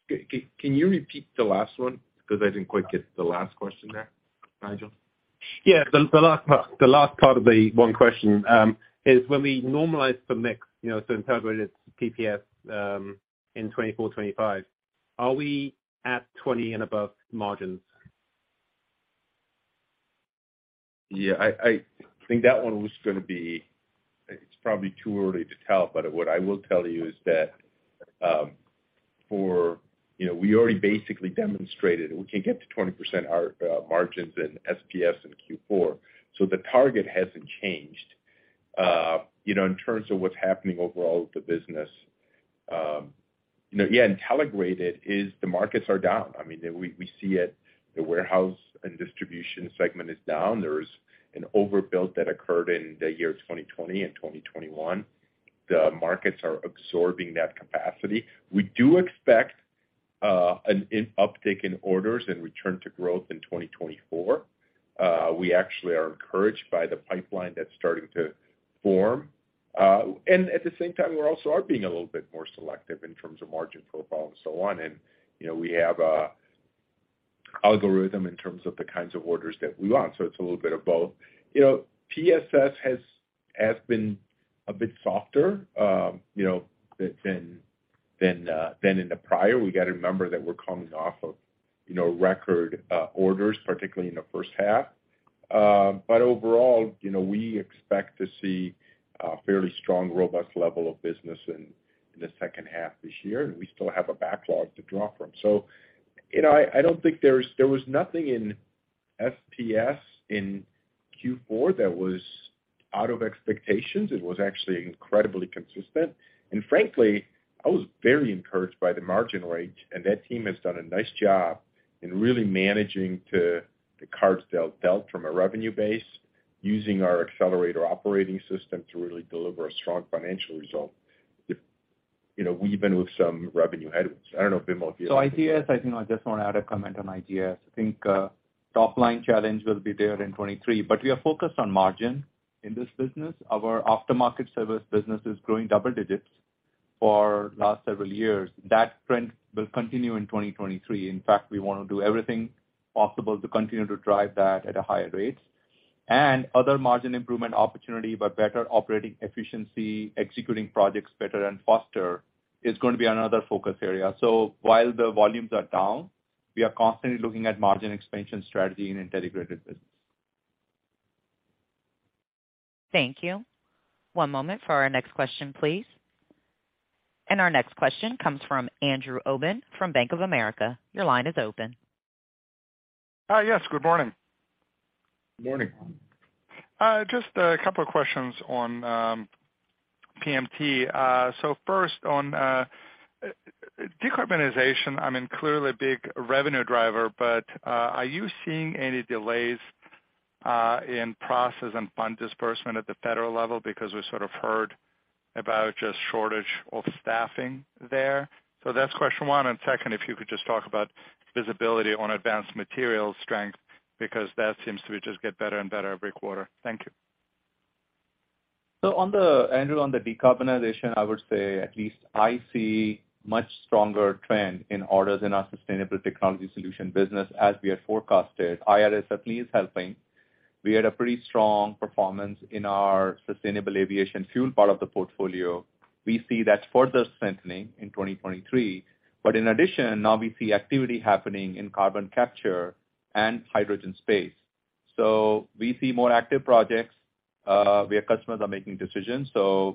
C: Can you repeat the last one? Because I didn't quite get the last question there, Nigel.
J: Yeah. The, the last part, the last part of the one question, is when we normalize for mix, you know, so integrated PPS, in 2024, 2025, are we at 20% and above margins?
C: Yeah. It's probably too early to tell, but what I will tell you is that, you know, we already basically demonstrated we can get to 20%, our margins in SPS in Q4. The target hasn't changed. You know, in terms of what's happening overall with the business, you know, yeah, Intelligrated is the markets are down. I mean, we see it, the warehouse and distribution segment is down. There's an overbuild that occurred in the year 2020 and 2021. The markets are absorbing that capacity. We do expect an uptick in orders and return to growth in 2024. We actually are encouraged by the pipeline that's starting to form. At the same time we're also being a little bit more selective in terms of margin profile and so on. You know, we have an algorithm in terms of the kinds of orders that we want, so it's a little bit of both. You know, PSS has been a bit softer, you know, than in the prior. We got to remember that we're coming off of, you know, record orders, particularly in the first half. Overall, you know, we expect to see a fairly strong, robust level of business in the second half this year, and we still have a backlog to draw from. You know, I don't think there was nothing in SPS in Q4 that was out of expectations. It was actually incredibly consistent. Frankly, I was very encouraged by the margin range, and that team has done a nice job in really managing to the cards they'll dealt from a revenue base using our Accelerator operating system to really deliver a strong financial result. You know, we've been with some revenue headwinds. I don't know if Vimal, you have.
D: Ideas, I think I just wanna add a comment on ideas. I think top line challenge will be there in 2023, but we are focused on margin in this business. Our aftermarket service business is growing double digits for last several years. That trend will continue in 2023. In fact, we wanna do everything possible to continue to drive that at a higher rate. Other margin improvement opportunity, but better operating efficiency, executing projects better and faster is gonna be another focus area. While the volumes are down, we are constantly looking at margin expansion strategy in the Intelligrated business.
A: Thank you. One moment for our next question, please. Our next question comes from Andrew Obin from Bank of America. Your line is open.
K: Yes, good morning.
C: Morning.
K: Just a couple of questions on PMT. First on decarbonization, I mean, clearly a big revenue driver, but are you seeing any delays in process and fund disbursement at the federal level? Because we sort of heard about just shortage of staffing there. That's question one. Second, if you could just talk about visibility on advanced material strength, because that seems to be just get better and better every quarter. Thank you.
D: On the, Andrew, on the decarbonization, I would say at least I see much stronger trend in orders in our sustainable technology solution business as we had forecasted. IRA certainly is helping. We had a pretty strong performance in our sustainable aviation fuel part of the portfolio. We see that further strengthening in 2023. In addition, now we see activity happening in carbon capture and hydrogen space. We see more active projects where customers are making decisions.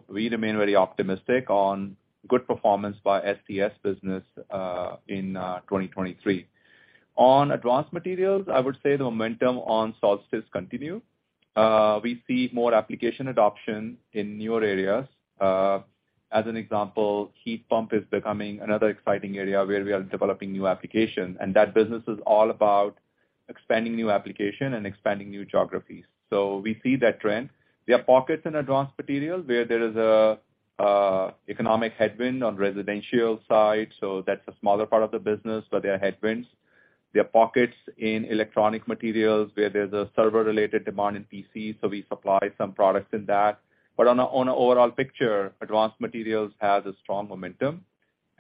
D: We remain very optimistic on good performance by STS business in 2023. On advanced materials, I would say the momentum on Solstice continue. We see more application adoption in newer areas. As an example, heat pump is becoming another exciting area where we are developing new applications, and that business is all about expanding new application and expanding new geographies. We see that trend. There are pockets in advanced materials where there is an economic headwind on residential side, so that's a smaller part of the business, but there are headwinds. There are pockets in electronic materials where there's a server-related demand in PCs, so we supply some products in that. On an overall picture, advanced materials has a strong momentum.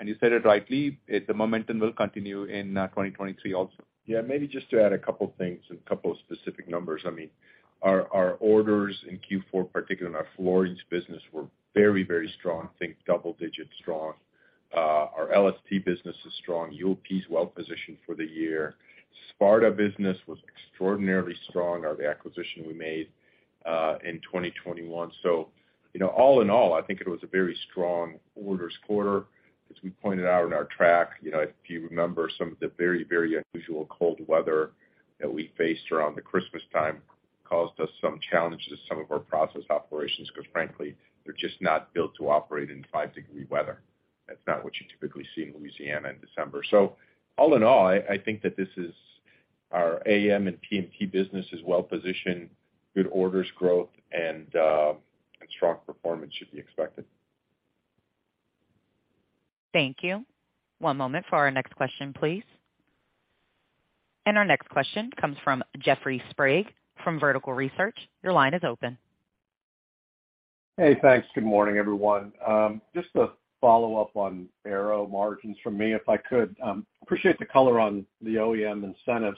D: You said it rightly, it's the momentum will continue in 2023 also.
C: Yeah, maybe just to add a couple of things and a couple of specific numbers. I mean, our orders in Q4, particularly in our Fluorine business, were very, very strong. Think double-digit strong. Our LSP business is strong. UOP's well-positioned for the year. Sparta business was extraordinarily strong, or the acquisition we made in 2021. You know, all in all, I think it was a very strong orders quarter. As we pointed out in our track, you know, if you remember some of the very, very unusual cold weather that we faced around the Christmas time caused us some challenges to some of our process operations, because frankly, they're just not built to operate in 5-degree weather. That's not what you typically see in Louisiana in December. All in all, I think that this is our AM and PMT business is well positioned, good orders growth and strong performance should be expected.
A: Thank you. One moment for our next question, please. Our next question comes from Jeffrey Sprague from Vertical Research. Your line is open.
L: Hey, thanks. Good morning, everyone. Just to follow up on Aero margins from me, if I could. Appreciate the color on the OEM incentives.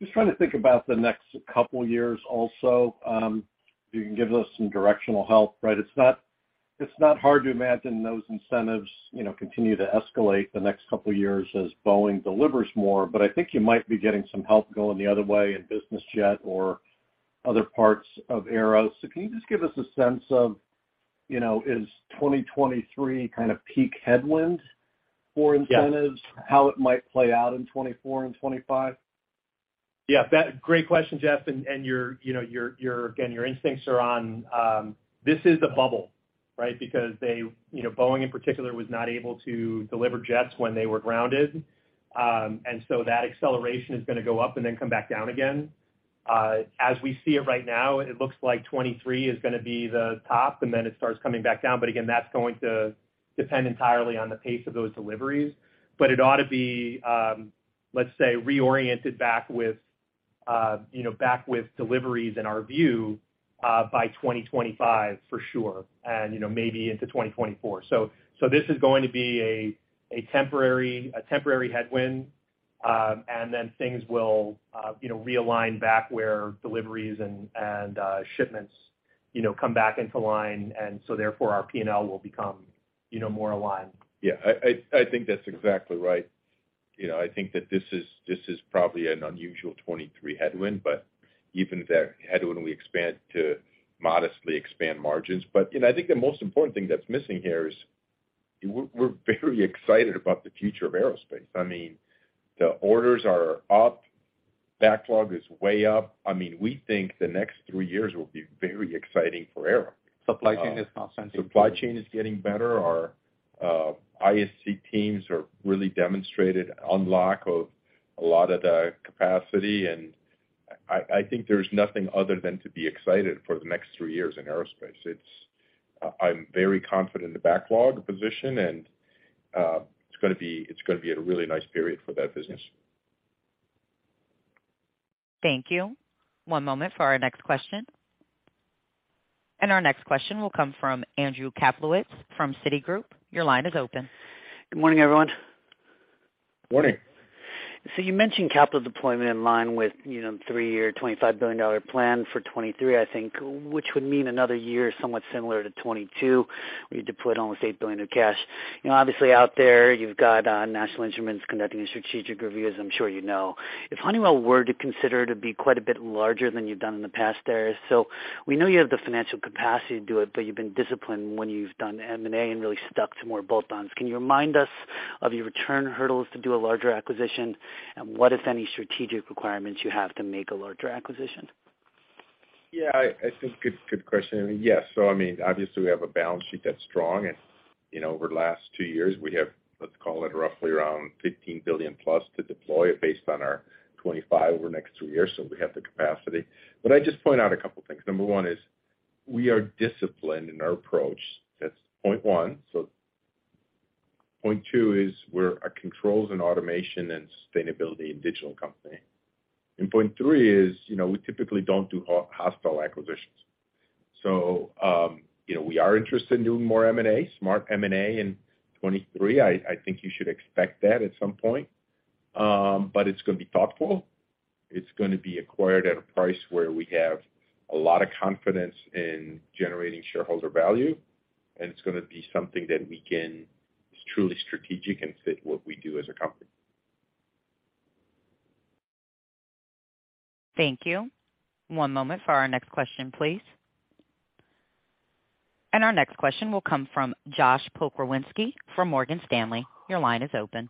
L: Just trying to think about the next couple years also, if you can give us some directional help, right? It's not hard to imagine those incentives, you know, continue to escalate the next couple years as Boeing delivers more. I think you might be getting some help going the other way in business jet or other parts of Aero. Can you just give us a sense of, you know, is 2023 kind of peak headwind for incentives?
C: Yeah.
L: How it might play out in 2024 and 2025?
E: Yeah, great question, Jeff. Your, you know, your, again, your instincts are on, this is a bubble, right? Because they, you know, Boeing in particular was not able to deliver jets when they were grounded. That acceleration is gonna go up and then come back down again. As we see it right now, it looks like 2023 is gonna be the top, and then it starts coming back down. Again, that's going to depend entirely on the pace of those deliveries. It ought to be, let's say, reoriented back with, you know, back with deliveries in our view, by 2025 for sure, and, you know, maybe into 2024. This is going to be a temporary headwind. Then things will, you know, realign back where deliveries and shipments, you know, come back into line. Therefore, our P&L will become, you know, more aligned.
C: Yeah. I think that's exactly right. You know, I think that this is probably an unusual 2023 headwind, but even with that headwind, we expand to modestly expand margins. You know, I think the most important thing that's missing here is we're very excited about the future of Aerospace. I mean, the orders are up, backlog is way up. I mean, we think the next three years will be very exciting for Aero.
D: Supply chain is not something.
C: Supply chain is getting better. Our ISC teams are really demonstrated unlock of a lot of the capacity. I think there's nothing other than to be excited for the next three years in Aerospace. I'm very confident in the backlog position and it's gonna be a really nice period for that business.
A: Thank you. One moment for our next question. Our next question will come from Andrew Kaplowitz from Citigroup. Your line is open.
M: Good morning, everyone.
C: Morning.
M: You mentioned capital deployment in line with, you know, three-year $25 billion plan for 2023, I think, which would mean another year somewhat similar to 2022. We deployed almost $8 billion of cash. You know, obviously out there you've got National Instruments conducting a strategic review, as I'm sure you know. If Honeywell were to consider to be quite a bit larger than you've done in the past there, so we know you have the financial capacity to do it, but you've been disciplined when you've done M&A and really stuck to more bolt-ons. Can you remind us of your return hurdles to do a larger acquisition, and what, if any, strategic requirements you have to make a larger acquisition?
C: Yeah, I think good question. Yes. I mean, obviously we have a balance sheet that's strong and, you know, over the last two years we have, let's call it roughly around $15+ billion to deploy based on our 2025 over the next three years. We have the capacity. I'd just point out a couple things. Number one is we are disciplined in our approach. That's point one. Point two is we're a controls and automation and sustainability and digital company. Point three is, you know, we typically don't do hostile acquisitions. You know, we are interested in doing more M&A, smart M&A in 2023. I think you should expect that at some point. It's gonna be thoughtful. It's gonna be acquired at a price where we have a lot of confidence in generating shareholder value, and it's gonna be something that is truly strategic and fit what we do as a company.
A: Thank you. One moment for our next question, please. Our next question will come from Josh Pokrzywinski from Morgan Stanley. Your line is open.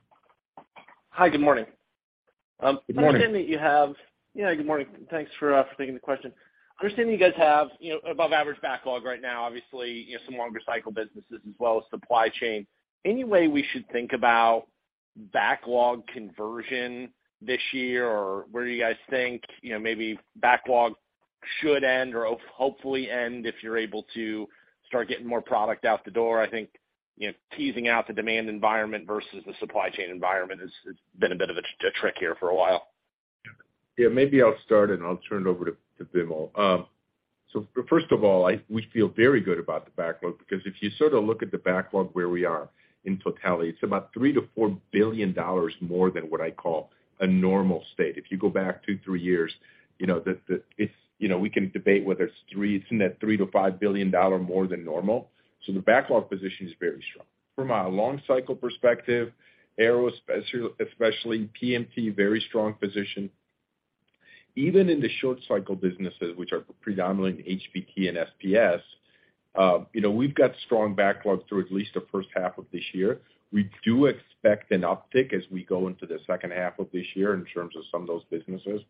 N: Hi, good morning.
C: Good morning.
N: Understanding that you have. Yeah, good morning. Thanks for taking the question. Understanding you guys have, you know, above average backlog right now, obviously, you know, some longer cycle businesses as well as supply chain. Any way we should think about backlog conversion this year? Where do you guys think, you know, maybe backlog should end or hopefully end if you're able to start getting more product out the door? I think, you know, teasing out the demand environment versus the supply chain environment has been a bit of a trick here for a while.
C: Maybe I'll start, and I'll turn it over to Vimal. First of all, we feel very good about the backlog because if you sort of look at the backlog where we are in totality, it's about $3 billion-$4 billion more than what I call a normal state. If you go back two, three years, you know, it's, you know, we can debate whether it's three, it's in that $3 billion-$5 billion more than normal. The backlog position is very strong. From a long cycle perspective, Aero, especially PMT, very strong position. Even in the short cycle businesses, which are predominantly HBT and SPS, you know, we've got strong backlogs through at least the first half of this year. We do expect an uptick as we go into the second half of this year in terms of some of those businesses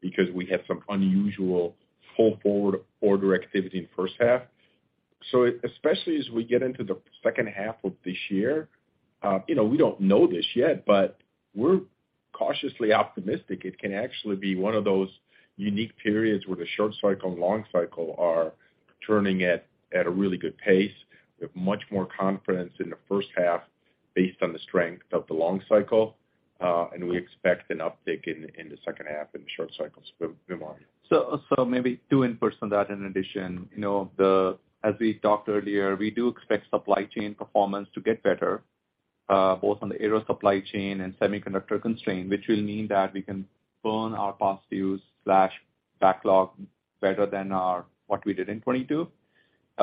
C: because we had some unusual pull forward order activity in first half. Especially as we get into the second half of this year, you know, we don't know this yet, but we're cautiously optimistic it can actually be one of those unique periods where the short cycle and long cycle are turning at a really good pace with much more confidence in the first half based on the strength of the long cycle. We expect an uptick in the second half in the short cycle. Vimal.
D: Maybe two in-person that in addition, you know, as we talked earlier, we do expect supply chain performance to get better, both on the Aero supply chain and semiconductor constraint, which will mean that we can burn our past use/backlog better than what we did in 2022.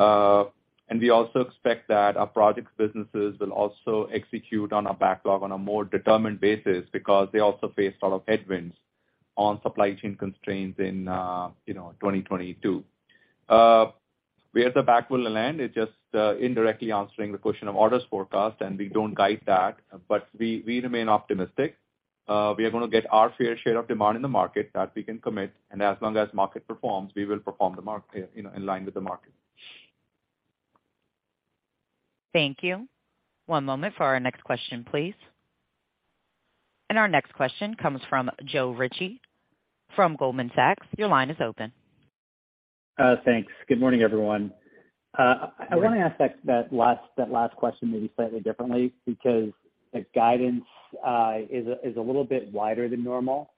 D: We also expect that our projects businesses will also execute on our backlog on a more determined basis because they also faced a lot of headwinds on supply chain constraints in, you know, 2022. Where the backlog will land is just indirectly answering the question of orders forecast, and we don't guide that, but we remain optimistic. We are gonna get our fair share of demand in the market that we can commit, and as long as market performs, we will perform the market, you know, in line with the market.
A: Thank you. One moment for our next question, please. Our next question comes from Joe Ritchie from Goldman Sachs. Your line is open.
O: Thanks. Good morning, everyone. I wanna ask that last question maybe slightly differently because the guidance is a little bit wider than normal.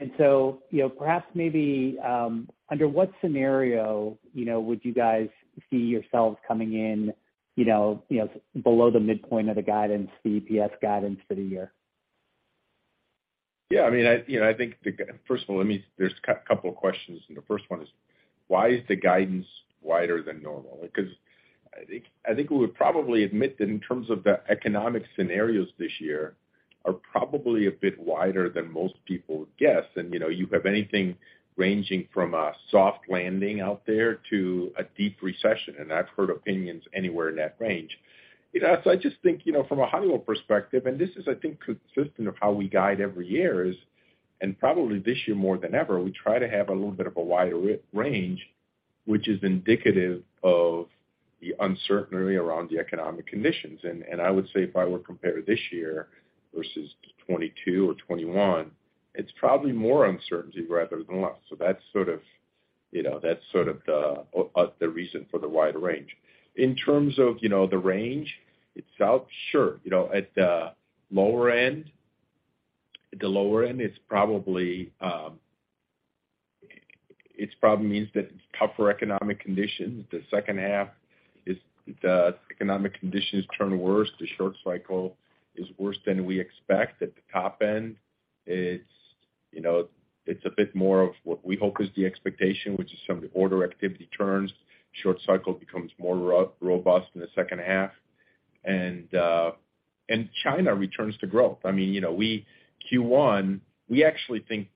O: You know, perhaps maybe, under what scenario, you know, would you guys see yourselves coming in, you know, below the midpoint of the guidance, the EPS guidance for the year?
C: Yeah, I mean, I, you know, I think first of all, let me. There's couple of questions, and the first one is, why is the guidance wider than normal? I think we would probably admit that in terms of the economic scenarios this year are probably a bit wider than most people would guess. You know, you have anything ranging from a soft landing out there to a deep recession, and I've heard opinions anywhere in that range. You know, I just think, you know, from a high-level perspective, and this is I think consistent of how we guide every year, is, and probably this year more than ever, we try to have a little bit of a wider range which is indicative of the uncertainty around the economic conditions. I would say if I were compared to this year versus 2022 or 2021, it's probably more uncertainty rather than less. That's sort of, you know, that's sort of the reason for the wide range. In terms of, you know, the range itself, sure, you know, at the lower end, it's probably it probably means that it's tougher economic conditions. The second half is the economic conditions turn worse, the short cycle is worse than we expect. At the top end, it's, you know, it's a bit more of what we hope is the expectation, which is some of the order activity turns, short cycle becomes more robust in the second half. China returns to growth. I mean, you know, we Q1, we actually think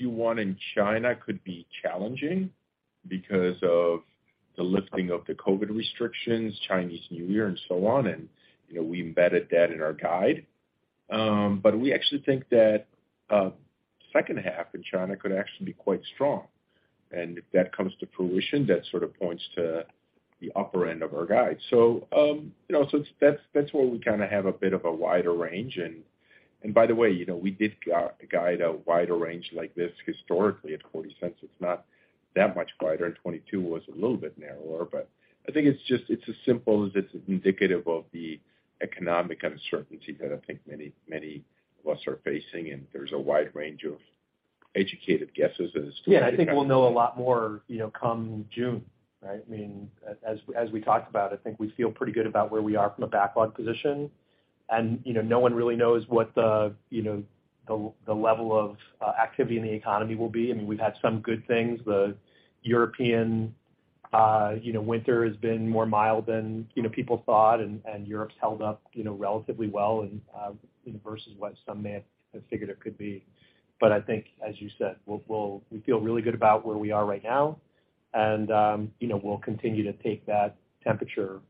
C: Q1 in China could be challenging because of the lifting of the COVID restrictions, Chinese New Year, and so on. You know, we embedded that in our guide. We actually think that second half in China could actually be quite strong. If that comes to fruition, that sort of points to the upper end of our guide. You know, so that's where we kind of have a bit of a wider range and by the way, you know, we did guide a wider range like this historically at $0.40. It's not that much wider. 2022 was a little bit narrower, I think it's as simple as it's indicative of the economic uncertainty that I think many of us are facing. There's a wide range of educated guesses as.
E: Yeah, I think we'll know a lot more, you know, come June, right? I mean, as we talked about, I think we feel pretty good about where we are from a backlog position. You know, no one really knows what the, you know, the level of activity in the economy will be. I mean, we've had some good things. The European, you know, winter has been more mild than, you know, people thought, Europe's held up, you know, relatively well and, you know, versus what some may have figured it could be. I think as you said, we feel really good about where we are right now and, you know, we'll continue to take that temperature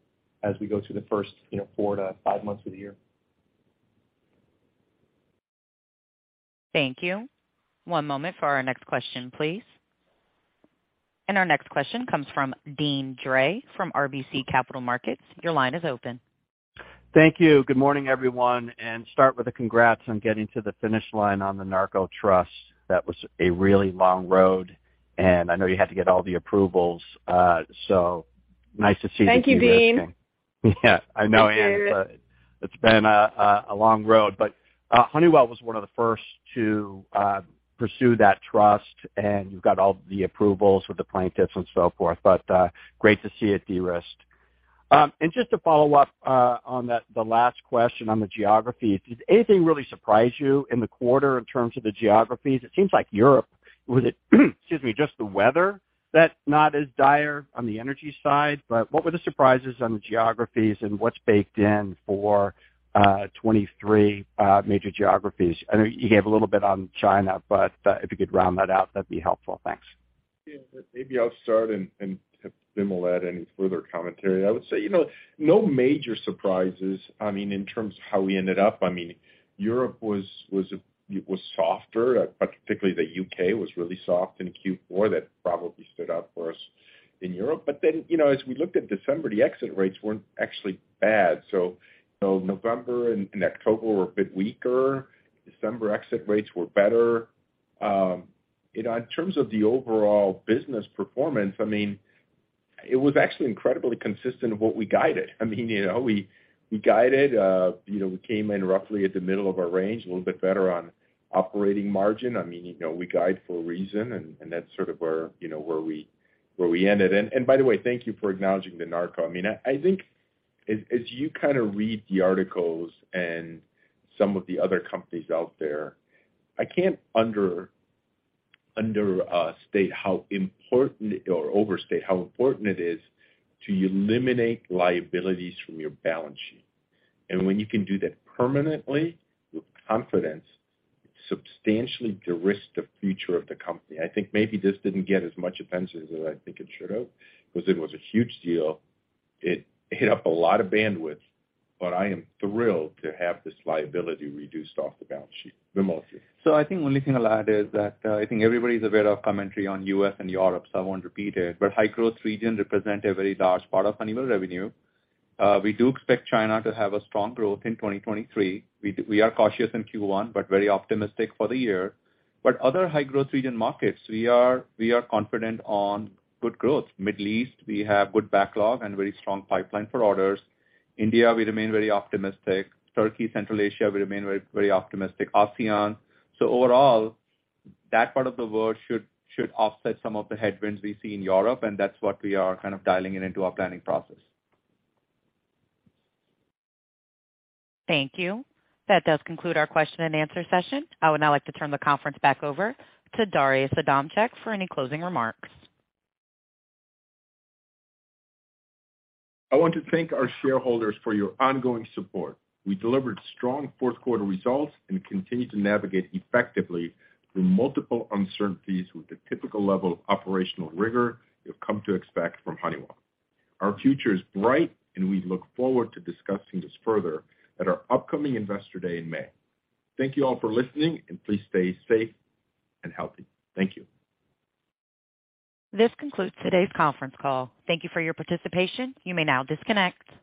E: as we go through the first, you know, four to five months of the year.
A: Thank you. One moment for our next question, please. Our next question comes from Deane Dray from RBC Capital Markets. Your line is open.
P: Thank you. Good morning, everyone. Start with a congrats on getting to the finish line on the NARCO Trust. That was a really long road, and I know you had to get all the approvals, so nice to see the de-risking.
Q: Thank you, Deane.
P: Yeah, I know.
Q: Thank you.
P: It's been a long road, but Honeywell was one of the first to pursue that trust, and you've got all the approvals with the plaintiffs and so forth, but great to see it de-risked. Just to follow up on that, the last question on the geography. Did anything really surprise you in the quarter in terms of the geographies? It seems like Europe. Was it, excuse me, just the weather that's not as dire on the energy side, but what were the surprises on the geographies and what's baked in for 2023, major geographies? I know you gave a little bit on China, but if you could round that out, that'd be helpful. Thanks.
C: Yeah. Maybe I'll start and Vimal add any further commentary. I would say, you know, no major surprises. I mean, in terms of how we ended up, I mean, Europe was, it was softer, but particularly the U.K. was really soft in Q4. That probably stood out for us in Europe. You know, as we looked at December, the exit rates weren't actually bad. You know, November and October were a bit weaker. December exit rates were better. You know, in terms of the overall business performance, I mean, it was actually incredibly consistent of what we guided. I mean, you know, we guided, you know, we came in roughly at the middle of our range, a little bit better on operating margin. I mean, you know, we guide for a reason and that's sort of where, you know, where we ended. By the way, thank you for acknowledging the NARCO. I mean, I think as you kind of read the articles and some of the other companies out there, I can't understate how important or overstate how important it is to eliminate liabilities from your balance sheet. When you can do that permanently with confidence, substantially de-risk the future of the company. I think maybe this didn't get as much attention as I think it should have because it was a huge deal. It hit up a lot of bandwidth, but I am thrilled to have this liability reduced off the balance sheet. Vimal.
D: I think only thing I'll add is that, I think everybody's aware of commentary on U.S. and Europe, so I won't repeat it. High-growth region represent a very large part of Honeywell revenue. We do expect China to have a strong growth in 2023. We are cautious in Q1 but very optimistic for the year. Other high-growth region markets, we are confident on good growth. Middle East, we have good backlog and very strong pipeline for orders. India, we remain very optimistic. Turkey, Central Asia, we remain very, very optimistic. ASEAN. Overall, that part of the world should offset some of the headwinds we see in Europe, and that's what we are kind of dialing in into our planning process.
A: Thank you. That does conclude our question and answer session. I would now like to turn the conference back over to Darius Adamczyk for any closing remarks.
C: I want to thank our shareholders for your ongoing support. We delivered strong fourth quarter results and continue to navigate effectively through multiple uncertainties with the typical level of operational rigor you've come to expect from Honeywell. Our future is bright and we look forward to discussing this further at our upcoming Investor Day in May. Thank you all for listening, and please stay safe and healthy. Thank you.
A: This concludes today's conference call. Thank you for your participation. You may now disconnect.